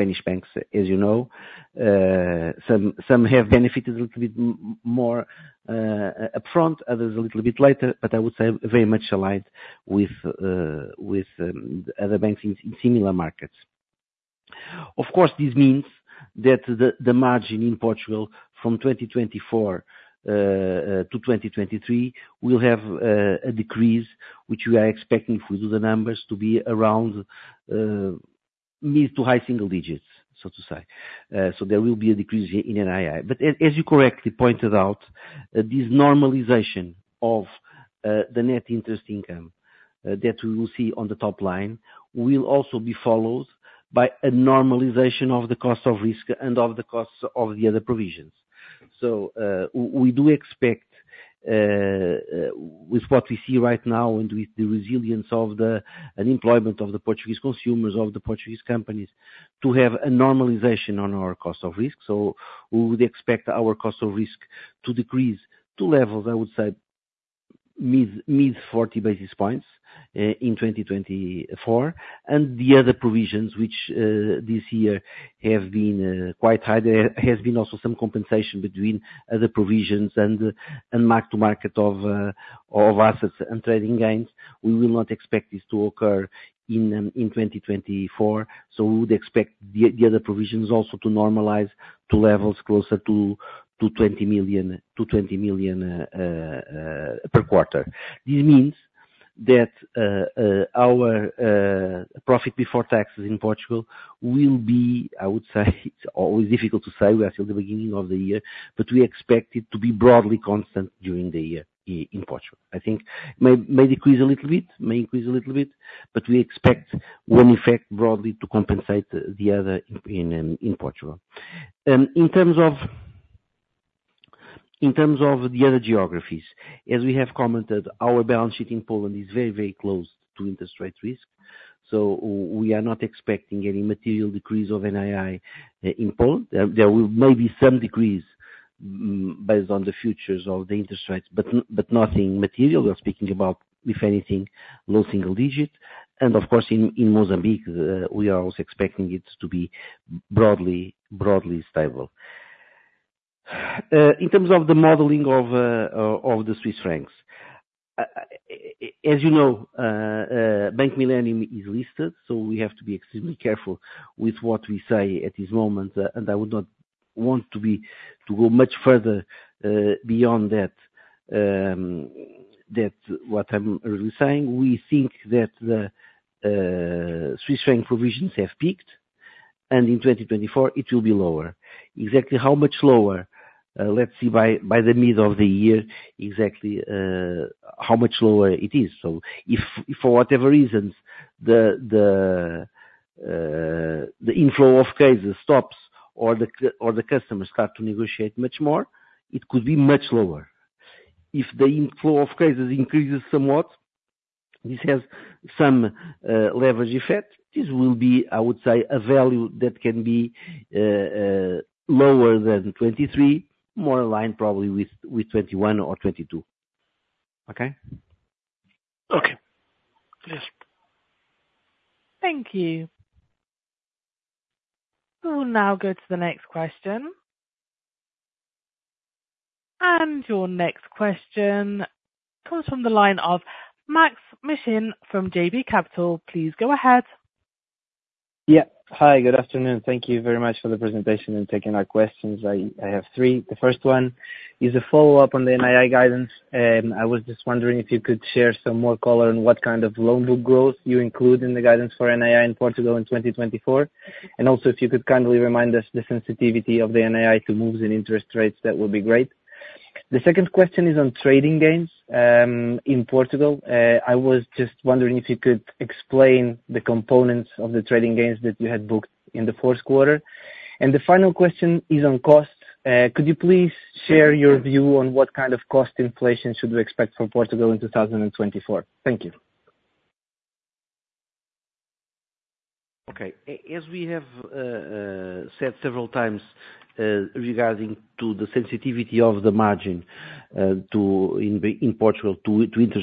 Spanish banks, as you know. Some have benefited a little bit more upfront, others a little bit later, but I would say very much aligned with other banks in similar markets. Of course, this means that the margin in Portugal from 2024 to 2023 will have a decrease, which we are expecting, if we do the numbers, to be around mid to high single digits, so to say. So there will be a decrease in NII. But as you correctly pointed out, this normalization of the net interest income that we will see on the top line will also be followed by a normalization of the cost of risk and of the costs of the other provisions. So we do expect, with what we see right now and with the resilience of the unemployment of the Portuguese consumers, of the Portuguese companies, to have a normalization on our cost of risk. So we would expect our cost of risk to decrease to levels, I would say, mid-40 basis points in 2024. And the other provisions which this year have been quite high, there has been also some compensation between other provisions and mark to market of assets and trading gains. We will not expect this to occur in 2024, so we would expect the other provisions also to normalize to levels closer to 20 million, to 20 million per quarter. This means that our profit before taxes in Portugal will be, I would say, it's always difficult to say, we are still the beginning of the year, but we expect it to be broadly constant during the year in Portugal. I think may decrease a little bit, may increase a little bit, but we expect one effect broadly to compensate the other in Portugal. In terms of the other geographies, as we have commented, our balance sheet in Poland is very, very close to interest rate risk, so we are not expecting any material decrease of NII in Poland. There may be some decrease based on the futures of the interest rates, but nothing material. We are speaking about, if anything, low single digits. And of course, in Mozambique, we are also expecting it to be broadly, broadly stable. In terms of the modeling of the Swiss francs, as you know, Bank Millennium is listed, so we have to be extremely careful with what we say at this moment, and I would not want to go much further beyond that, what I'm really saying. We think that the Swiss franc provisions have peaked, and in 2024 it will be lower. Exactly how much lower? Let's see by the middle of the year, exactly, how much lower it is. So if for whatever reasons, the inflow of cases stops or the customers start to negotiate much more, it could be much lower. If the inflow of cases increases somewhat, this has some leverage effect. This will be, I would say, a value that can be lower than 23, more aligned probably with 21 or 22. Okay?... Thank you. We will now go to the next question. Your next question comes from the line of Maksym Mishyn from JB Capital. Please go ahead. Yeah. Hi, good afternoon. Thank you very much for the presentation and taking our questions. I have three. The first one is a follow-up on the NII guidance, and I was just wondering if you could share some more color on what kind of loan book growth you include in the guidance for NII in Portugal in 2024? And also, if you could kindly remind us the sensitivity of the NII to moves in interest rates, that would be great. The second question is on trading gains in Portugal. I was just wondering if you could explain the components of the trading gains that you had booked in the fourth quarter. And the final question is on costs. Could you please share your view on what kind of cost inflation should we expect from Portugal in 2024? Thank you. Okay. As we have said several times, regarding to the sensitivity of the margin to interest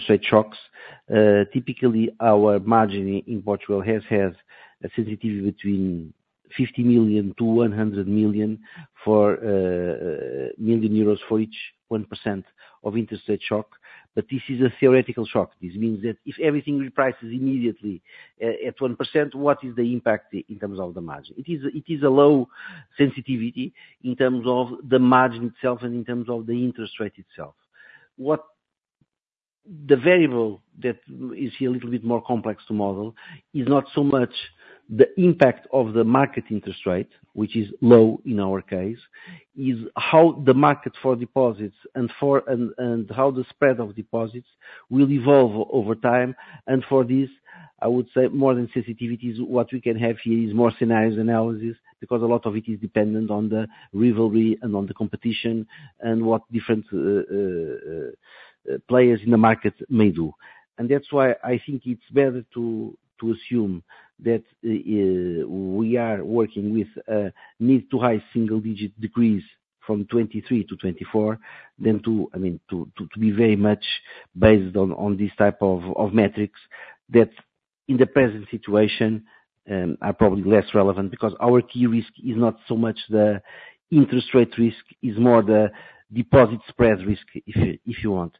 rate shocks in Portugal, typically, our margin in Portugal has a sensitivity between 50 million-100 million for each 1% of interest rate shock. But this is a theoretical shock. This means that if everything reprices immediately at 1%, what is the impact in terms of the margin? It is a low sensitivity in terms of the margin itself and in terms of the interest rate itself. What... The variable that is here a little bit more complex to model is not so much the impact of the market interest rate, which is low in our case, but how the market for deposits and how the spread of deposits will evolve over time. And for this, I would say more than sensitivities, what we can have here is more scenario analysis, because a lot of it is dependent on the rivalry and on the competition and what different players in the market may do. And that's why I think it's better to assume that we are working with mid- to high-single-digit degrees from 2023 to 2024, than to, I mean, be very much based on this type of metrics that in the present situation are probably less relevant because our key risk is not so much the interest rate risk, is more the deposit spread risk, if you want.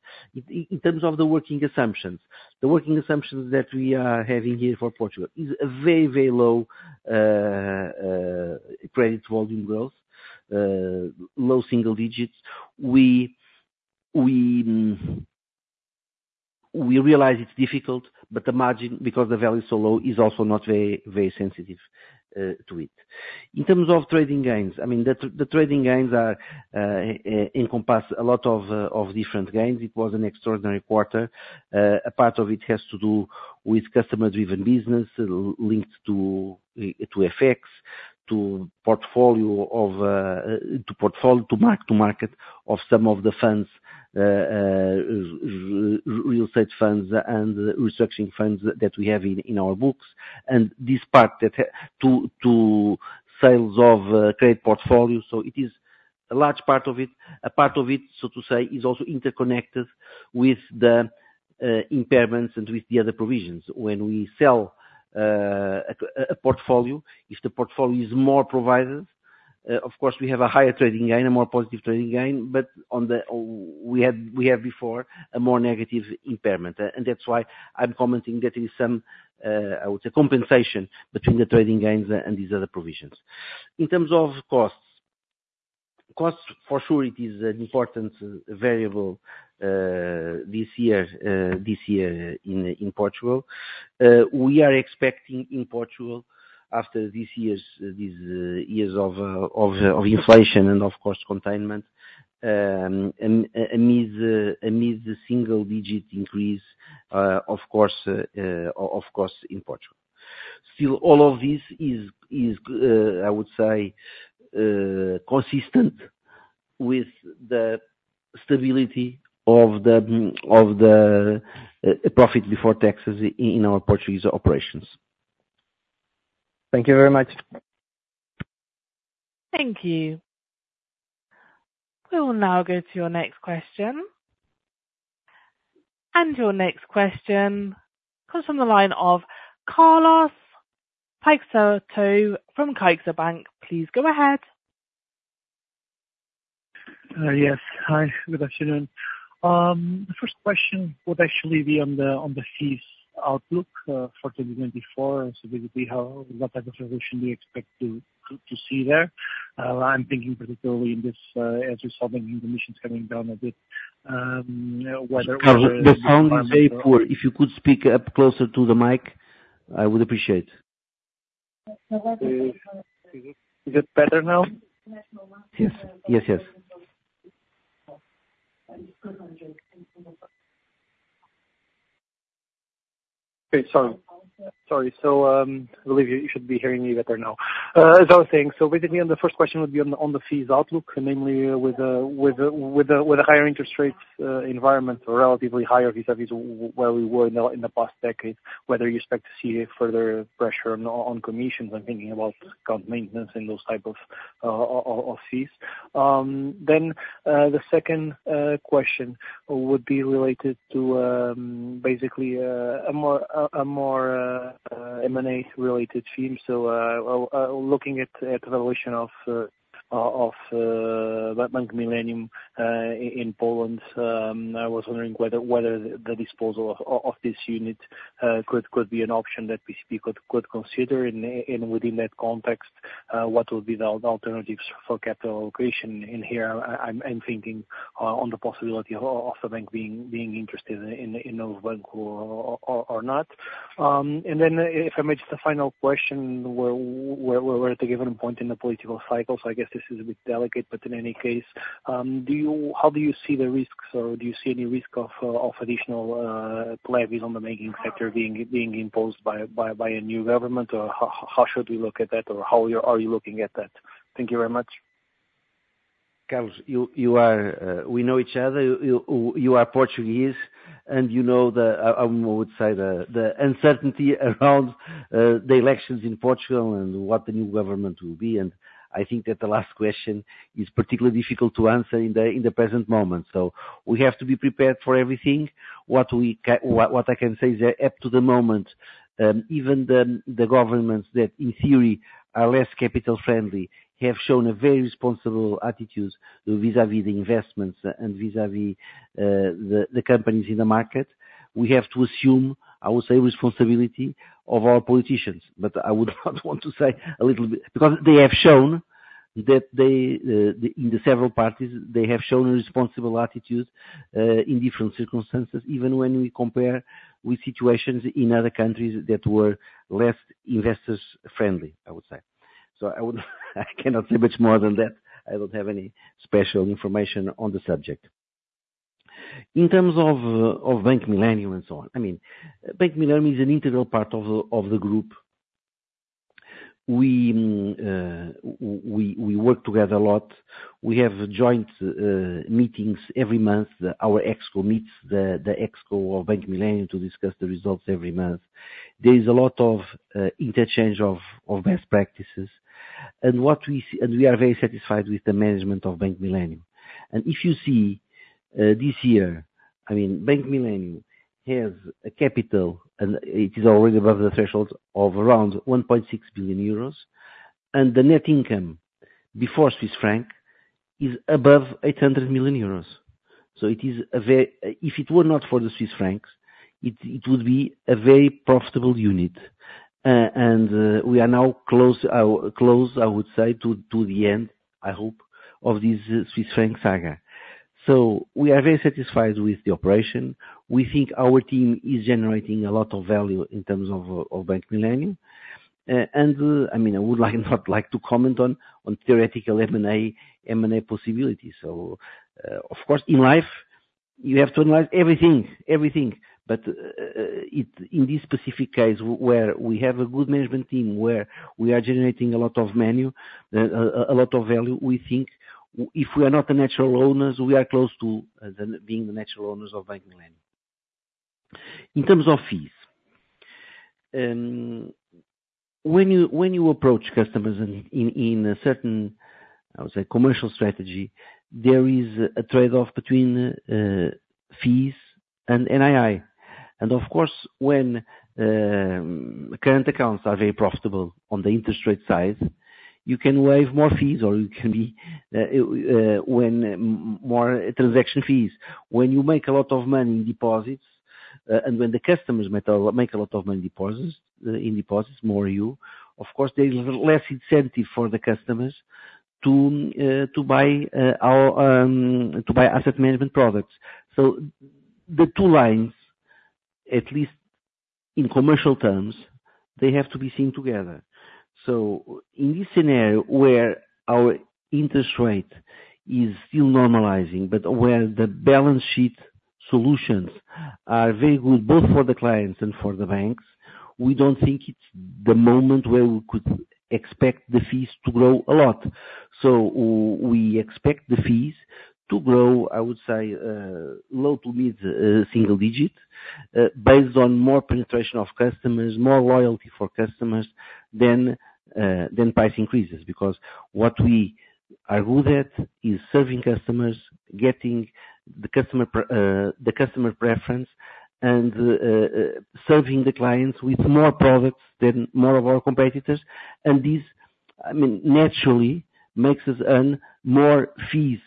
In terms of the working assumptions, the working assumptions that we are having here for Portugal is a very, very low credit volume growth, low single digits. We realize it's difficult, but the margin, because the value is so low, is also not very, very sensitive to it. In terms of trading gains, I mean, the trading gains encompass a lot of different gains. It was an extraordinary quarter. A part of it has to do with customer-driven business linked to effects to portfolio mark to market of some of the funds, real estate funds and restructuring funds that we have in our books, and this part to sales of trade portfolio, so it is a large part of it. A part of it, so to say, is also interconnected with the impairments and with the other provisions. When we sell a portfolio, if the portfolio is more provided, of course, we have a higher trading gain, a more positive trading gain, but on the, we had, we have before, a more negative impairment. And that's why I'm commenting that is some, I would say, compensation between the trading gains and these other provisions. In terms of costs, costs for sure it is an important variable, this year, this year in Portugal. We are expecting in Portugal, after this years, these years of inflation and of cost containment, amid the single-digit increase, of course, of course, in Portugal. Still, all of this is, I would say, consistent with the stability of the profit before taxes in our Portuguese operations. Thank you very much. Thank you. We will now go to your next question. Your next question comes from the line of Carlos Peixoto from CaixaBank. Please go ahead. Yes. Hi, good afternoon. The first question would actually be on the fees outlook for 2024, so basically how, what type of solution we expect to see there. I'm thinking particularly in this, as we saw the emissions coming down a bit, whether- Carlos, the sound is very poor. If you could speak up closer to the mic, I would appreciate. Is it better now? Yes. Yes, yes.... Okay, sorry. Sorry. So, I believe you should be hearing me better now. As I was saying, so basically, on the first question would be on the fees outlook, and namely with the higher interest rates environment, relatively higher vis-a-vis where we were in the past decade, whether you expect to see a further pressure on commissions. I'm thinking about account maintenance and those type of of fees. Then, the second question would be related to basically, a more M&A-related fee. So, looking at the valuation of Bank Millennium in Poland, I was wondering whether the disposal of this unit could be an option that BCP could consider. Within that context, what would be the alternatives for capital allocation in here? I'm thinking on the possibility of the bank being interested in those banks or not. And then if I may, just a final question, we're at a given point in the political cycle, so I guess this is a bit delicate, but in any case, do you, how do you see the risks, or do you see any risk of additional levies on the banking sector being imposed by a new government? Or how should we look at that? Or how are you looking at that? Thank you very much. Carlos, you are, we know each other. You are Portuguese, and you know the uncertainty around the elections in Portugal and what the new government will be, and I think that the last question is particularly difficult to answer in the present moment. So we have to be prepared for everything. What I can say is that, up to the moment, even the governments that, in theory, are less capital-friendly, have shown a very responsible attitude vis-a-vis the investments and vis-a-vis the companies in the market. We have to assume, I would say, responsibility of our politicians, but I would not want to say a little bit, because they have shown that in the several parties, they have shown a responsible attitude in different circumstances, even when we compare with situations in other countries that were less investors-friendly, I would say. So I cannot say much more than that. I don't have any special information on the subject. In terms of of Bank Millennium and so on, I mean, Bank Millennium is an integral part of the group. We work together a lot. We have joint meetings every month. Our ExCo meets the ExCo of Bank Millennium to discuss the results every month. There is a lot of interchange of best practices. And we are very satisfied with the management of Bank Millennium. And if you see, this year, I mean, Bank Millennium has a capital, and it is already above the threshold of around 1.6 billion euros, and the net income before Swiss franc is above 800 million euros. So it is a very. If it were not for the Swiss francs, it would be a very profitable unit. And we are now close, close, I would say to the end, I hope, of this Swiss franc saga. So we are very satisfied with the operation. We think our team is generating a lot of value in terms of of Bank Millennium. And, I mean, I would like, not like to comment on theoretical M&A, M&A possibilities. So, of course, in life, you have to analyze everything, everything. But in this specific case, where we have a good management team, where we are generating a lot of value, a lot of value, we think if we are not the natural owners, we are close to being the natural owners of Bank Millennium. In terms of fees, when you, when you approach customers in, in, in a certain, I would say, commercial strategy, there is a trade-off between fees and NII. And of course, when current accounts are very profitable on the interest rate side, you can waive more fees, or you can be when more transaction fees. When you make a lot of money in deposits, and when the customers make a lot of money in deposits, the more you, of course, there is less incentive for the customers to buy our asset management products. So the two lines, at least in commercial terms, they have to be seen together. So in this scenario, where our interest rate is still normalizing, but where the balance sheet solutions are very good, both for the clients and for the banks, we don't think it's the moment where we could expect the fees to grow a lot. So we expect the fees to grow, I would say, low to mid single digit, based on more penetration of customers, more loyalty for customers than price increases, because what we are good at is serving customers, getting the customer preference, and serving the clients with more products than more of our competitors. And this, I mean, naturally, makes us earn more fees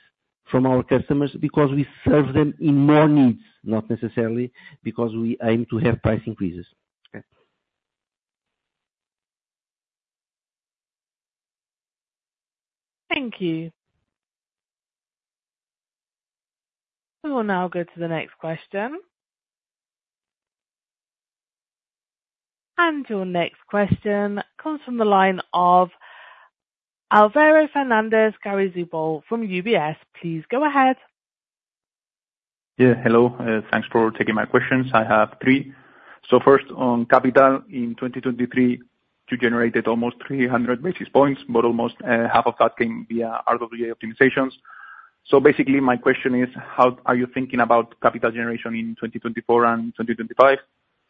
from our customers because we serve them in more needs, not necessarily because we aim to have price increases. Okay. Thank you. We will now go to the next question. Your next question comes from the line of... Álvaro Fernández Garayzabal from UBS, please go ahead. Yeah, hello. Thanks for taking my questions. I have three. So first, on capital, in 2023, you generated almost 300 basis points, but almost half of that came via RWA optimizations. So basically, my question is: How are you thinking about capital generation in 2024 and 2025,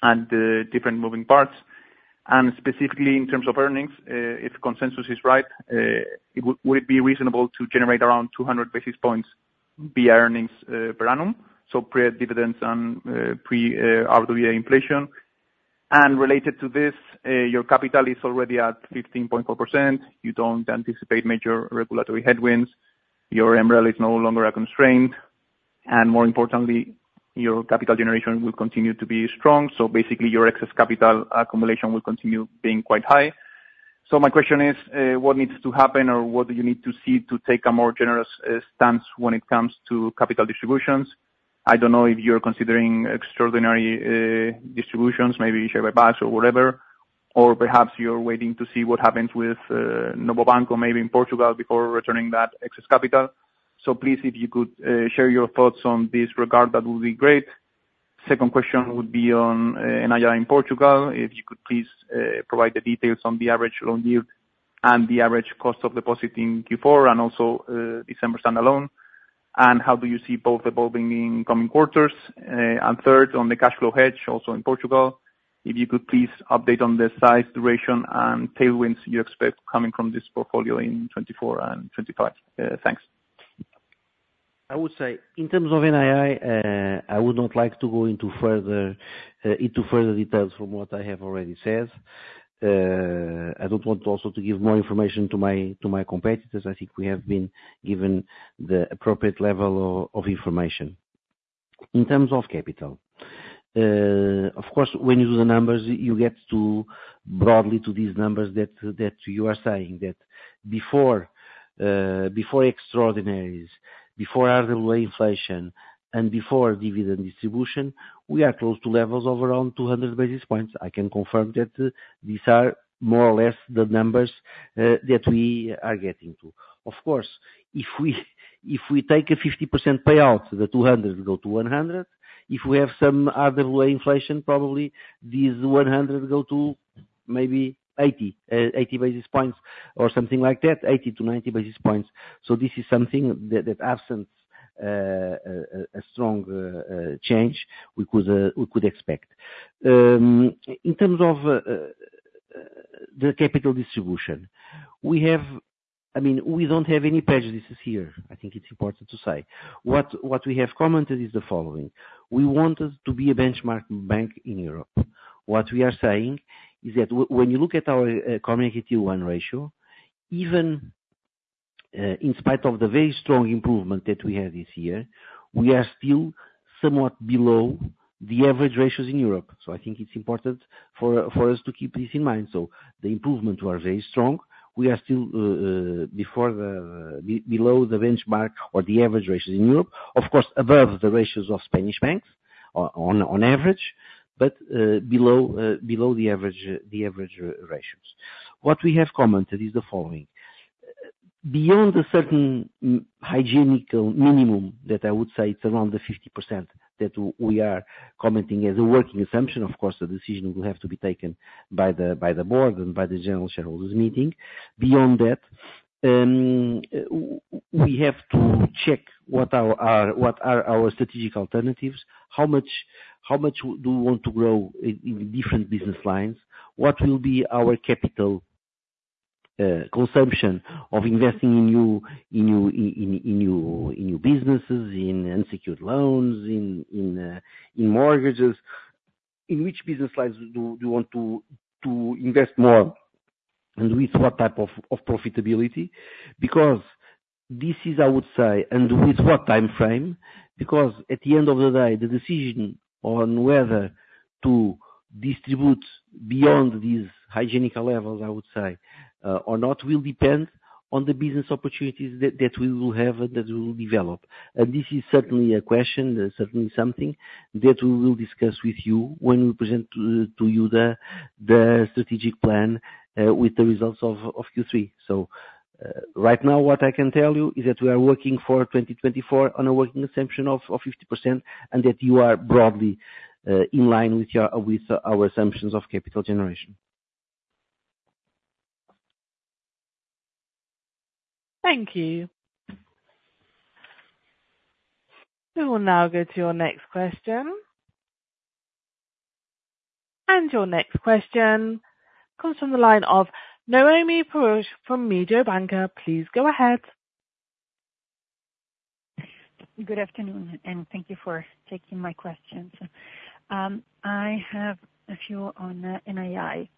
and different moving parts? And specifically in terms of earnings, if consensus is right, it would be reasonable to generate around 200 basis points via earnings per annum, so pre dividends and pre RWA inflation? And related to this, your capital is already at 15.4%. You don't anticipate major regulatory headwinds. Your MREL is no longer a constraint, and more importantly, your capital generation will continue to be strong. So basically, your excess capital accumulation will continue being quite high. So my question is, what needs to happen, or what do you need to see to take a more generous stance when it comes to capital distributions? I don't know if you're considering extraordinary distributions, maybe share buybacks or whatever. Or perhaps you're waiting to see what happens with Novo Banco, maybe in Portugal, before returning that excess capital. So please, if you could share your thoughts on this regard, that would be great. Second question would be on NII in Portugal. If you could please provide the details on the average loan yield and the average cost of deposit in Q4, and also December standalone. And how do you see both evolving in coming quarters? And third, on the cash flow hedge, also in Portugal, if you could please update on the size, duration, and tailwinds you expect coming from this portfolio in 2024 and 2025? Thanks. I would say, in terms of NII, I would not like to go into further, into further details from what I have already said. I don't want also to give more information to my, to my competitors. I think we have been given the appropriate level of, of information. In terms of capital, of course, when you do the numbers, you get to, broadly, to these numbers that, that you are saying, that before, before extraordinaries, before RWA inflation, and before dividend distribution, we are close to levels of around 200 basis points. I can confirm that, these are more or less the numbers, that we are getting to. Of course, if we, if we take a 50% payout, the 200 go to 100. If we have some RWA inflation, probably these 100 go to maybe 80, 80 basis points or something like that, 80-90 basis points. So this is something that, absent a strong change, we could expect. In terms of the capital distribution, we have... I mean, we don't have any prejudices here, I think it's important to say. What we have commented is the following: We wanted to be a benchmark bank in Europe. What we are saying is that when you look at our Common Equity Tier 1 ratio, even in spite of the very strong improvement that we had this year, we are still somewhat below the average ratios in Europe. So I think it's important for us to keep this in mind. So the improvement were very strong. We are still below the benchmark or the average ratios in Europe. Of course, above the ratios of Spanish banks on average, but below the average ratios. What we have commented is the following: Beyond a certain hygienic minimum, that I would say, it's around the 50%, that we are commenting as a working assumption, of course, the decision will have to be taken by the board and by the general shareholders meeting. Beyond that, we have to check what our, our, what are our strategic alternatives, how much, how much do we want to grow in different business lines? What will be our capital consumption of investing in new businesses, in unsecured loans, in mortgages? In which business lines do you want to invest more, and with what type of profitability? Because this is, I would say, and with what timeframe, because at the end of the day, the decision on whether to distribute beyond these hygienic levels, I would say, or not, will depend on the business opportunities that we will have, that we will develop. And this is certainly a question, certainly something that we will discuss with you when we present to you the strategic plan, with the results of Q3. Right now, what I can tell you is that we are working for 2024 on a working assumption of 50%, and that you are broadly in line with your, with our assumptions of capital generation. Thank you. We will now go to your next question. Your next question comes from the line of Noemi Peruch from Mediobanca. Please go ahead. Good afternoon, and thank you for taking my questions. I have a few on NII.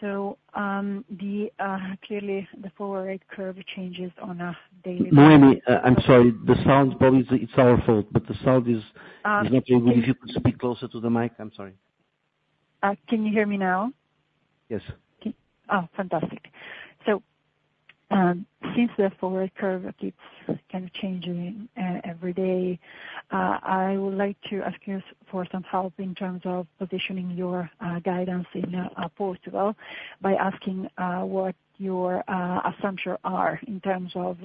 So, clearly, the forward curve changes on a daily- Noemi, I'm sorry, the sound probably it's, it's our fault, but the sound is... Uh, - is not very good. If you could speak closer to the mic, I'm sorry. Can you hear me now? Yes. Okay. Oh, fantastic. So, since the forward curve, it's kind of changing every day, I would like to ask you for some help in terms of positioning your guidance in Portugal, by asking what your assumption are in terms of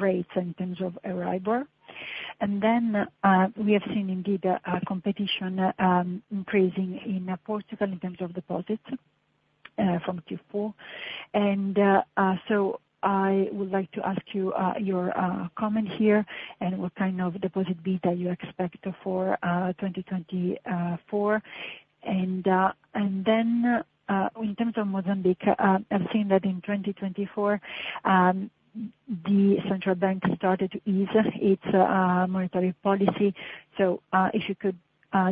rates and in terms of EURIBOR? And then, we have seen indeed our competition increasing in Portugal in terms of deposits from Q4. And so I would like to ask you your comment here, and what kind of deposit beta that you expect for 2024? And then, in terms of Mozambique, I've seen that in 2024, the central bank started to ease its monetary policy, so if you could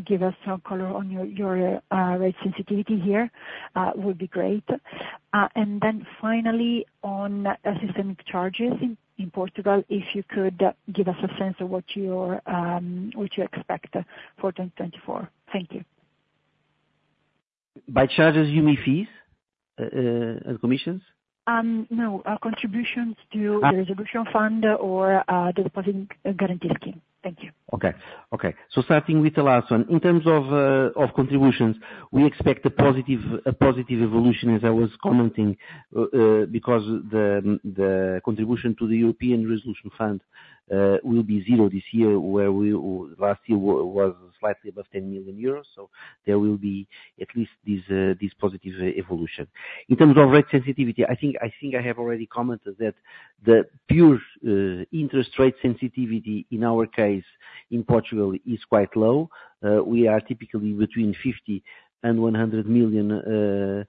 give us some color on your rate sensitivity here, that would be great. And then finally, on systemic charges in Portugal, if you could give us a sense of what you expect for 2024. Thank you. By charges you mean fees, and commissions? No, contributions to- Uh. -the resolution fund or, deposit guarantee scheme. Thank you. Okay. Okay, so starting with the last one. In terms of contributions, we expect a positive evolution as I was commenting, because the contribution to the European Resolution Fund will be 0 this year, where last year was slightly above 10 million euros, so there will be at least this positive evolution. In terms of rate sensitivity, I think I have already commented that the pure interest rate sensitivity in our case, in Portugal, is quite low. We are typically between 50 and 100 million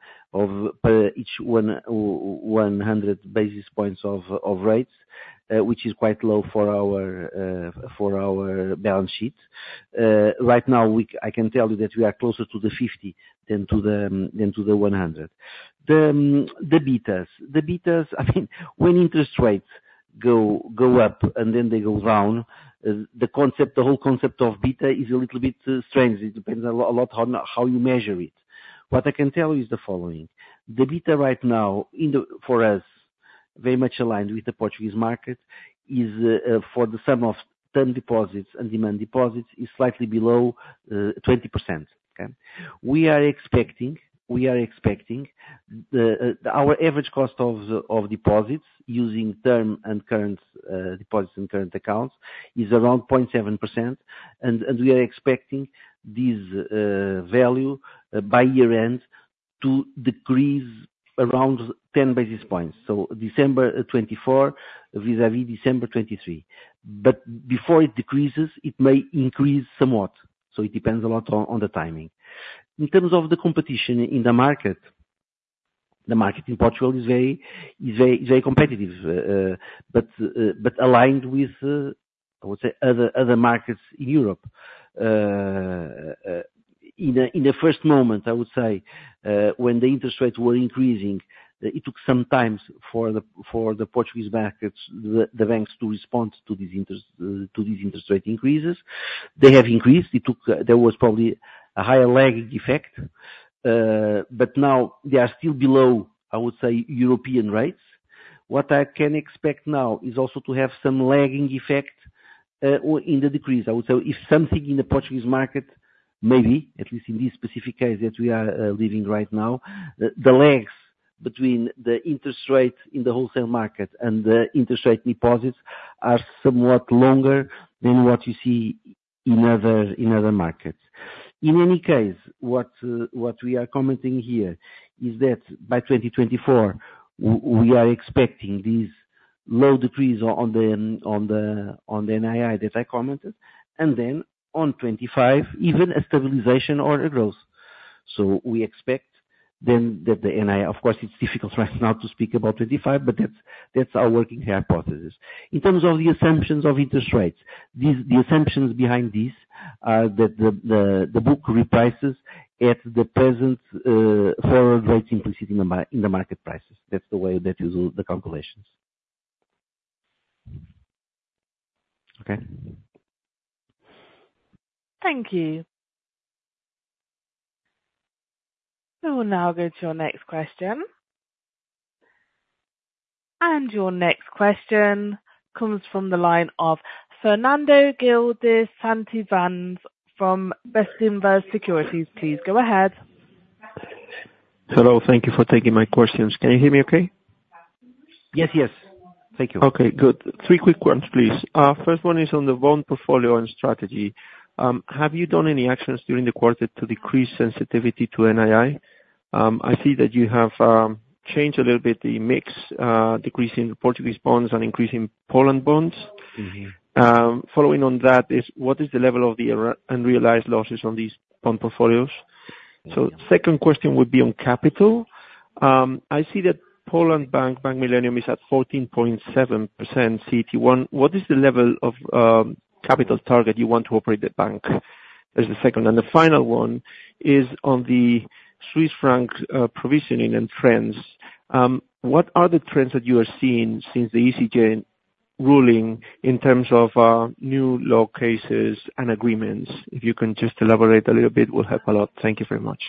per each 100 basis points of rates, which is quite low for our balance sheet. Right now, I can tell you that we are closer to the 50 than to the 100. The betas. The betas, I think when interest rates go up and then they go down, the concept, the whole concept of beta is a little bit strange. It depends a lot on how you measure it. What I can tell you is the following: the beta right now in the, for us, very much aligned with the Portuguese market, is, for the sum of term deposits and demand deposits, is slightly below 20%. Okay? We are expecting our average cost of deposits using term and current deposits and current accounts is around 0.7%, and we are expecting this value by year end to decrease around 10 basis points. So December 2024 vis-à-vis December 2023. But before it decreases, it may increase somewhat, so it depends a lot on the timing. In terms of the competition in the market, the market in Portugal is very, very competitive, but aligned with, I would say, other markets in Europe. In the first moment, I would say, when the interest rates were increasing, it took some time for the Portuguese markets, the banks, to respond to these interest rate increases. They have increased. It took. There was probably a higher lagging effect, but now they are still below, I would say, European rates. What I can expect now is also to have some lagging effect, or in the decrease. I would say, if something in the Portuguese market, maybe, at least in this specific case that we are living right now, the lags between the interest rate in the wholesale market and the interest rate deposits, are somewhat longer than what you see in other markets. In any case, what we are commenting here, is that by 2024, we are expecting these low decreases on the NII, that I commented, and then on 2025, even a stabilization or a growth. So we expect then that the NII- of course, it's difficult right now to speak about 2025, but that's, that's our working hypothesis. In terms of the assumptions of interest rates, the assumptions behind this, are that the book reprices at the present forward rate implicit in the market prices. That's the way that you do the calculations. Okay? Thank you. We will now go to your next question. Your next question comes from the line of Fernando Gil de Santivañes, from Bestinver Securities, please go ahead. Hello, thank you for taking my questions. Can you hear me okay? Yes, yes. Thank you. Okay, good. Three quick ones, please. First one is on the bond portfolio and strategy. Have you done any actions during the quarter to decrease sensitivity to NII? I see that you have changed a little bit the mix, decreasing Portuguese bonds and increasing Poland bonds. Mm-hmm. Following on that, what is the level of the unrealized losses on these bond portfolios? So second question would be on capital. I see that Poland bank, Bank Millennium, is at 14.7% CET1. What is the level of capital target you want to operate the bank? That's the second. And the final one is on the Swiss franc provisioning and trends. What are the trends that you are seeing since the ECJ ruling in terms of new law cases and agreements? If you can just elaborate a little bit, will help a lot. Thank you very much.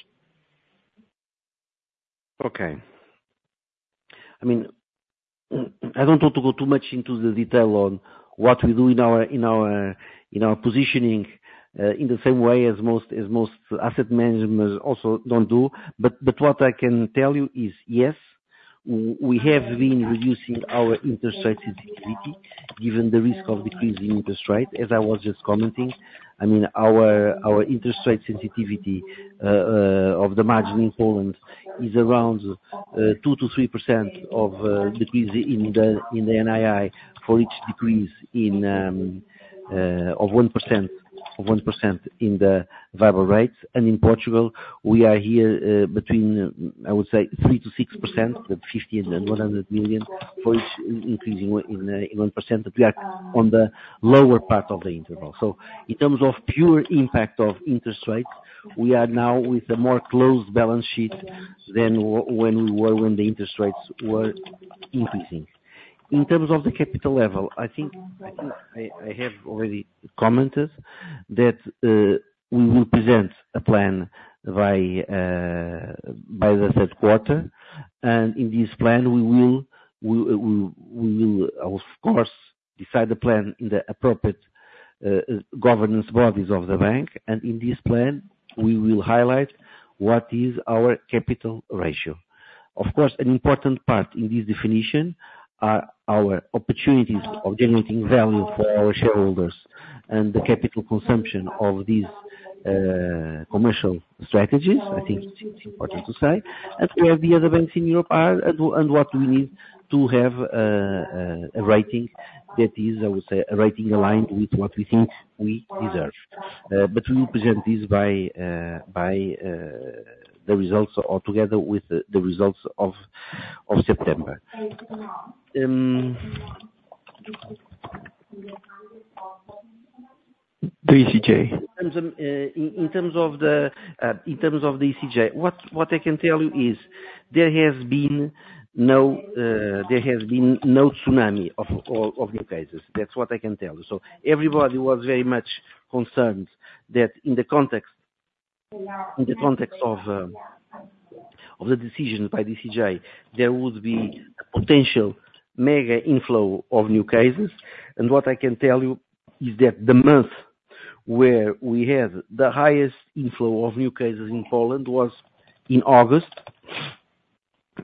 Okay. I mean, I don't want to go too much into the detail on what we do in our positioning, in the same way as most asset managers also don't do. But what I can tell you is, yes, we have been reducing our interest rate sensitivity, given the risk of decreasing interest rate, as I was just commenting. I mean, our interest rate sensitivity of the margin in Poland is around 2%-3% of decrease in the NII for each decrease in of 1% of 1% in the variable rates. In Portugal, we are here, between, I would say, 3%-6%, with 50 million and 100 million for each increase in 1%, but we are on the lower part of the interval. So in terms of pure impact of interest rates, we are now with a more closed balance sheet than when we were, when the interest rates were increasing. In terms of the capital level, I think, I have already commented that, we will present a plan by the third quarter, and in this plan, we will of course decide the plan in the appropriate governance bodies of the bank. In this plan, we will highlight what is our capital ratio. Of course, an important part in this definition are our opportunities of generating value for our shareholders and the capital consumption of these commercial strategies, I think it's important to say. As where the other banks in Europe are, and what we need to have, a rating that is, I would say, a rating aligned with what we think we deserve. But we will present this by the results or together with the results of September. The ECJ. In terms of the ECJ, what I can tell you is there has been no tsunami of new cases. That's what I can tell you. So everybody was very much concerned that in the context of the decision by ECJ, there would be a potential mega inflow of new cases. And what I can tell you is that the month where we had the highest inflow of new cases in Poland was in August.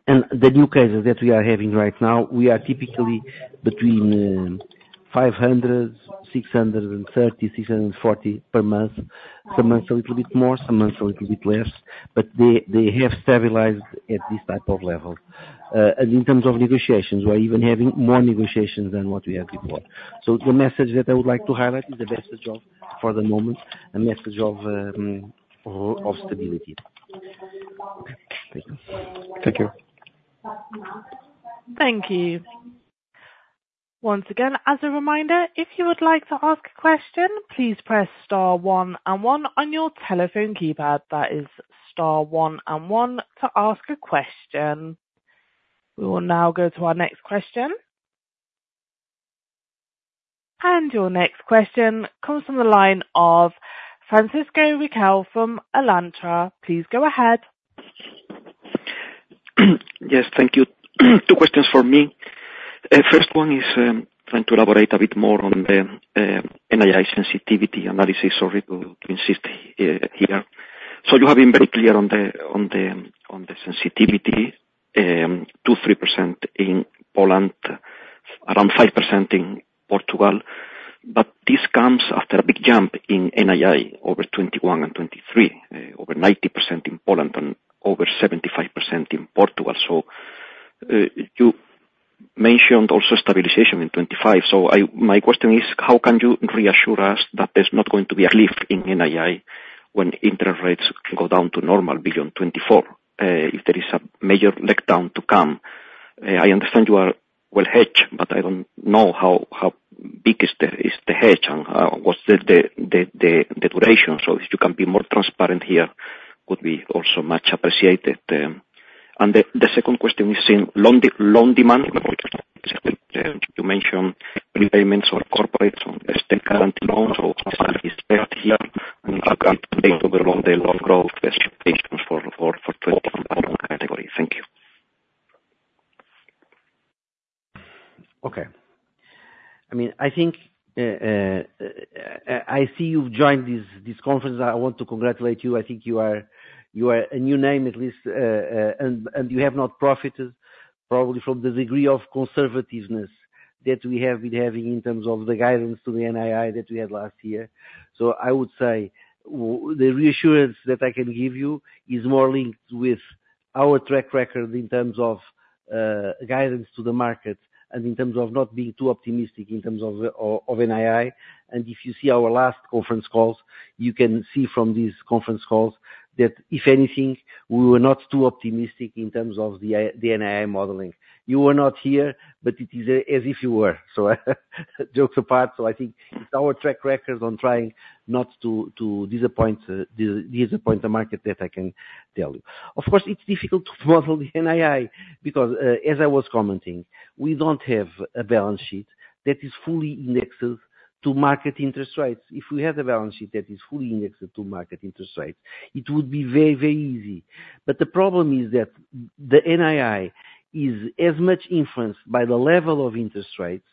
And the new cases that we are having right now, we are typically between 500, 630 and 640 per month. Some months a little bit more, some months a little bit less, but they have stabilized at this type of level. In terms of negotiations, we're even having more negotiations than what we had before. The message that I would like to highlight is the message of, for the moment, a message of stability. Thank you. Thank you. Thank you. Once again, as a reminder, if you would like to ask a question, please press star one and one on your telephone keypad. That is star one and one to ask a question. We will now go to our next question. Your next question comes from the line of Francisco Riquel from Alantra. Please go ahead. Yes, thank you. 2 questions for me. First one is, trying to elaborate a bit more on the, NII sensitivity analysis. Sorry to, to insist, here. So you have been very clear on the, on the, on the sensitivity, 2-3% in Poland, around 5% in Portugal, but this comes after a big jump in NII, over 2021 and 2023, over 90% in Poland and over 75% in Portugal. So, you mentioned also stabilization in 2025. So my question is, how can you reassure us that there's not going to be a cliff in NII when interest rates go down to normal beyond 2024, if there is a major letdown to come? I understand you are well hedged, but I don't know how big is the hedge, and what's the duration. So if you can be more transparent here, would be also much appreciated. And the second question is in loan demand. You mentioned repayments or corporates on current loans, so is left here, and you can update over on the loan growth expectations for 2021 category. Thank you. Okay. I mean, I think, I see you've joined this conference. I want to congratulate you. I think you are a new name, at least, and you have not profited probably from the degree of conservativeness that we have been having in terms of the guidance to the NII that we had last year. So I would say, the reassurance that I can give you is more linked with our track record in terms of guidance to the market, and in terms of not being too optimistic in terms of NII. And if you see our last conference calls, you can see from these conference calls, that if anything, we were not too optimistic in terms of the NII modeling. You were not here, but it is as if you were. So, jokes apart, I think it's our track record on trying not to disappoint the market that I can tell you. Of course, it's difficult to model the NII, because as I was commenting, we don't have a balance sheet that is fully indexed to market interest rates. If we had a balance sheet that is fully indexed to market interest rates, it would be very, very easy. But the problem is that the NII is as much influenced by the level of interest rates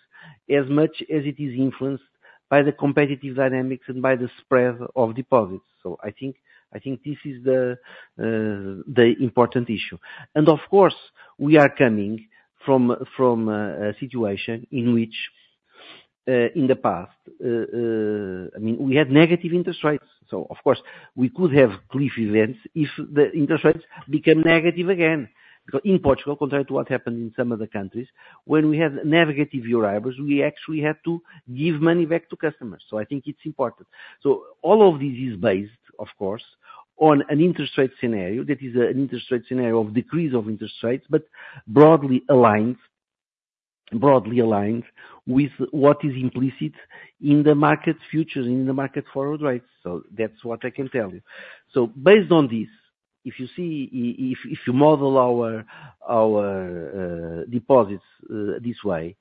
as much as it is influenced by the competitive dynamics and by the spread of deposits. So I think, I think this is the important issue. And of course, we are coming from a situation in which in the past, I mean, we had negative interest rates. So of course, we could have cliff events if the interest rates become negative again. Because in Portugal, contrary to what happened in some other countries, when we have negative rates, we actually have to give money back to customers, so I think it's important. So all of this is based, of course, on an interest rate scenario. That is, an interest rate scenario of decrease of interest rates, but broadly aligned, broadly aligned with what is implicit in the market futures, in the market forward rates. So that's what I can tell you. So based on this, if you see, if you model our deposits this way,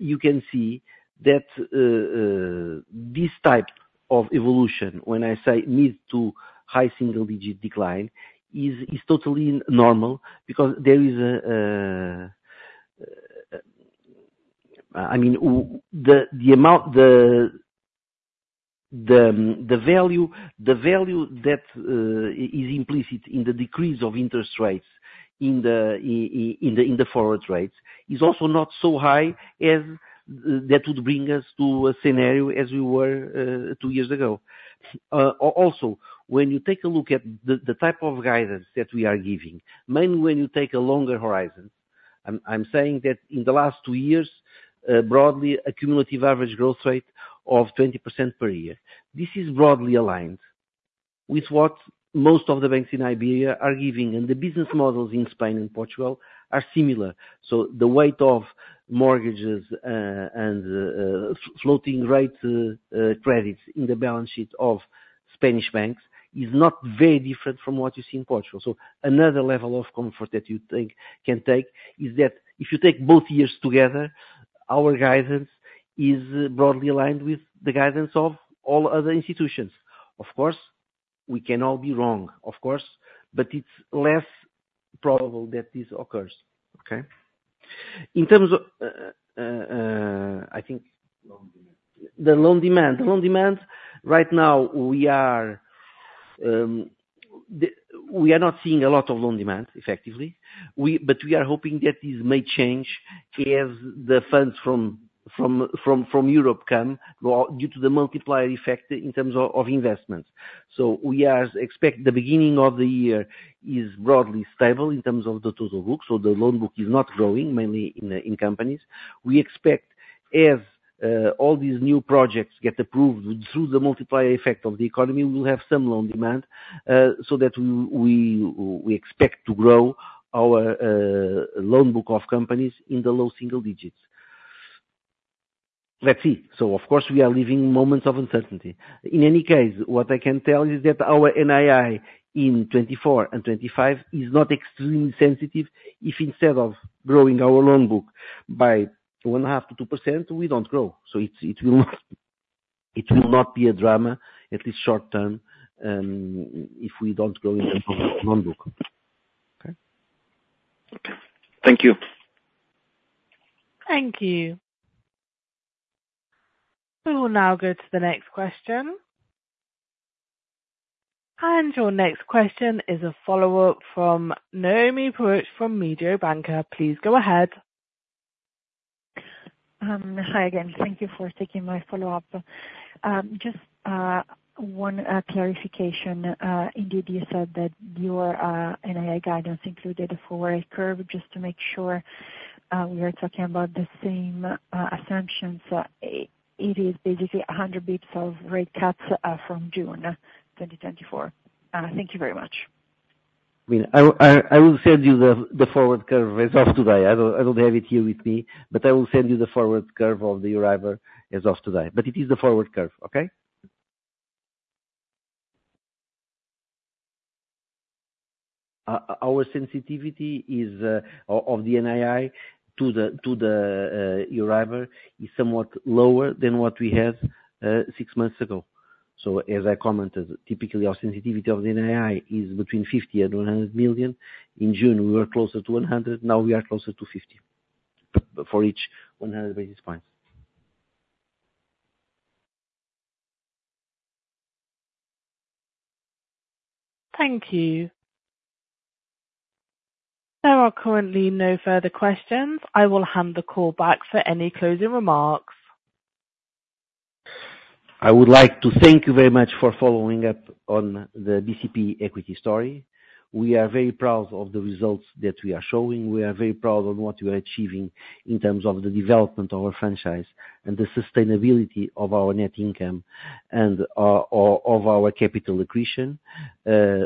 you can see that this type of evolution, when I say mid to high single-digit decline, is totally normal because there is a, I mean, the amount, the value that is implicit in the decrease of interest rates in the forward rates, is also not so high as that would bring us to a scenario as we were two years ago. Also, when you take a look at the type of guidance that we are giving, mainly when you take a longer horizon, I'm saying that in the last two years, broadly, a cumulative average growth rate of 20% per year. This is broadly aligned with what most of the banks in Iberia are giving, and the business models in Spain and Portugal are similar. So the weight of mortgages and floating rate credits in the balance sheet of Spanish banks is not very different from what you see in Portugal. So another level of comfort that you think can take is that if you take both years together, our guidance is broadly aligned with the guidance of all other institutions. Of course, we can all be wrong, of course, but it's less probable that this occurs. Okay? In terms of, I think, loan demand. The loan demand. The loan demand right now, we are not seeing a lot of loan demand, effectively. But we are hoping that this may change as the funds from Europe come, well, due to the multiplier effect in terms of investments. So we are expect the beginning of the year is broadly stable in terms of the total book, so the loan book is not growing, mainly in companies. We expect as all these new projects get approved through the multiplier effect of the economy, we will have some loan demand, so that we expect to grow our loan book of companies in the low single digits. Let's see. So of course, we are living in moments of uncertainty. In any case, what I can tell you is that our NII in 2024 and 2025 is not extremely sensitive if instead of growing our loan book by 0.5%-2%, we don't grow. So it will not be a drama, at least short term, if we don't grow in the loan book. Okay? Okay. Thank you. Thank you. We will now go to the next question. Your next question is a follow-up from Noemi Peruch, from Mediobanca. Please go ahead. Hi again. Thank you for taking my follow-up. Just one clarification. Indeed, you said that your NII guidance included a forward curve, just to make sure we are talking about the same assumptions. It is basically 100 bps of rate cuts from June 2024. Thank you very much. I mean, I will send you the forward curve as of today. I don't have it here with me, but I will send you the forward curve of the EURIBOR as of today. But it is the forward curve, okay? Our sensitivity is of the NII to the EURIBOR, is somewhat lower than what we had six months ago. So as I commented, typically, our sensitivity of the NII is between 50 million and 100 million. In June, we were closer to 100, now we are closer to 50, for each 100 basis points. Thank you. There are currently no further questions. I will hand the call back for any closing remarks. I would like to thank you very much for following up on the BCP equity story. We are very proud of the results that we are showing. We are very proud on what we are achieving in terms of the development of our franchise and the sustainability of our net income and, or, of our capital accretion.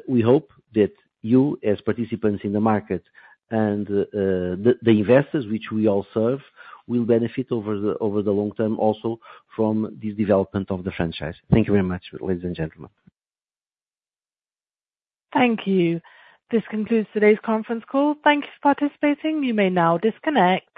We hope that you, as participants in the market and, the, the investors, which we all serve, will benefit over the, over the long term also from the development of the franchise. Thank you very much, ladies and gentlemen. Thank you. This concludes today's conference call. Thank you for participating. You may now disconnect.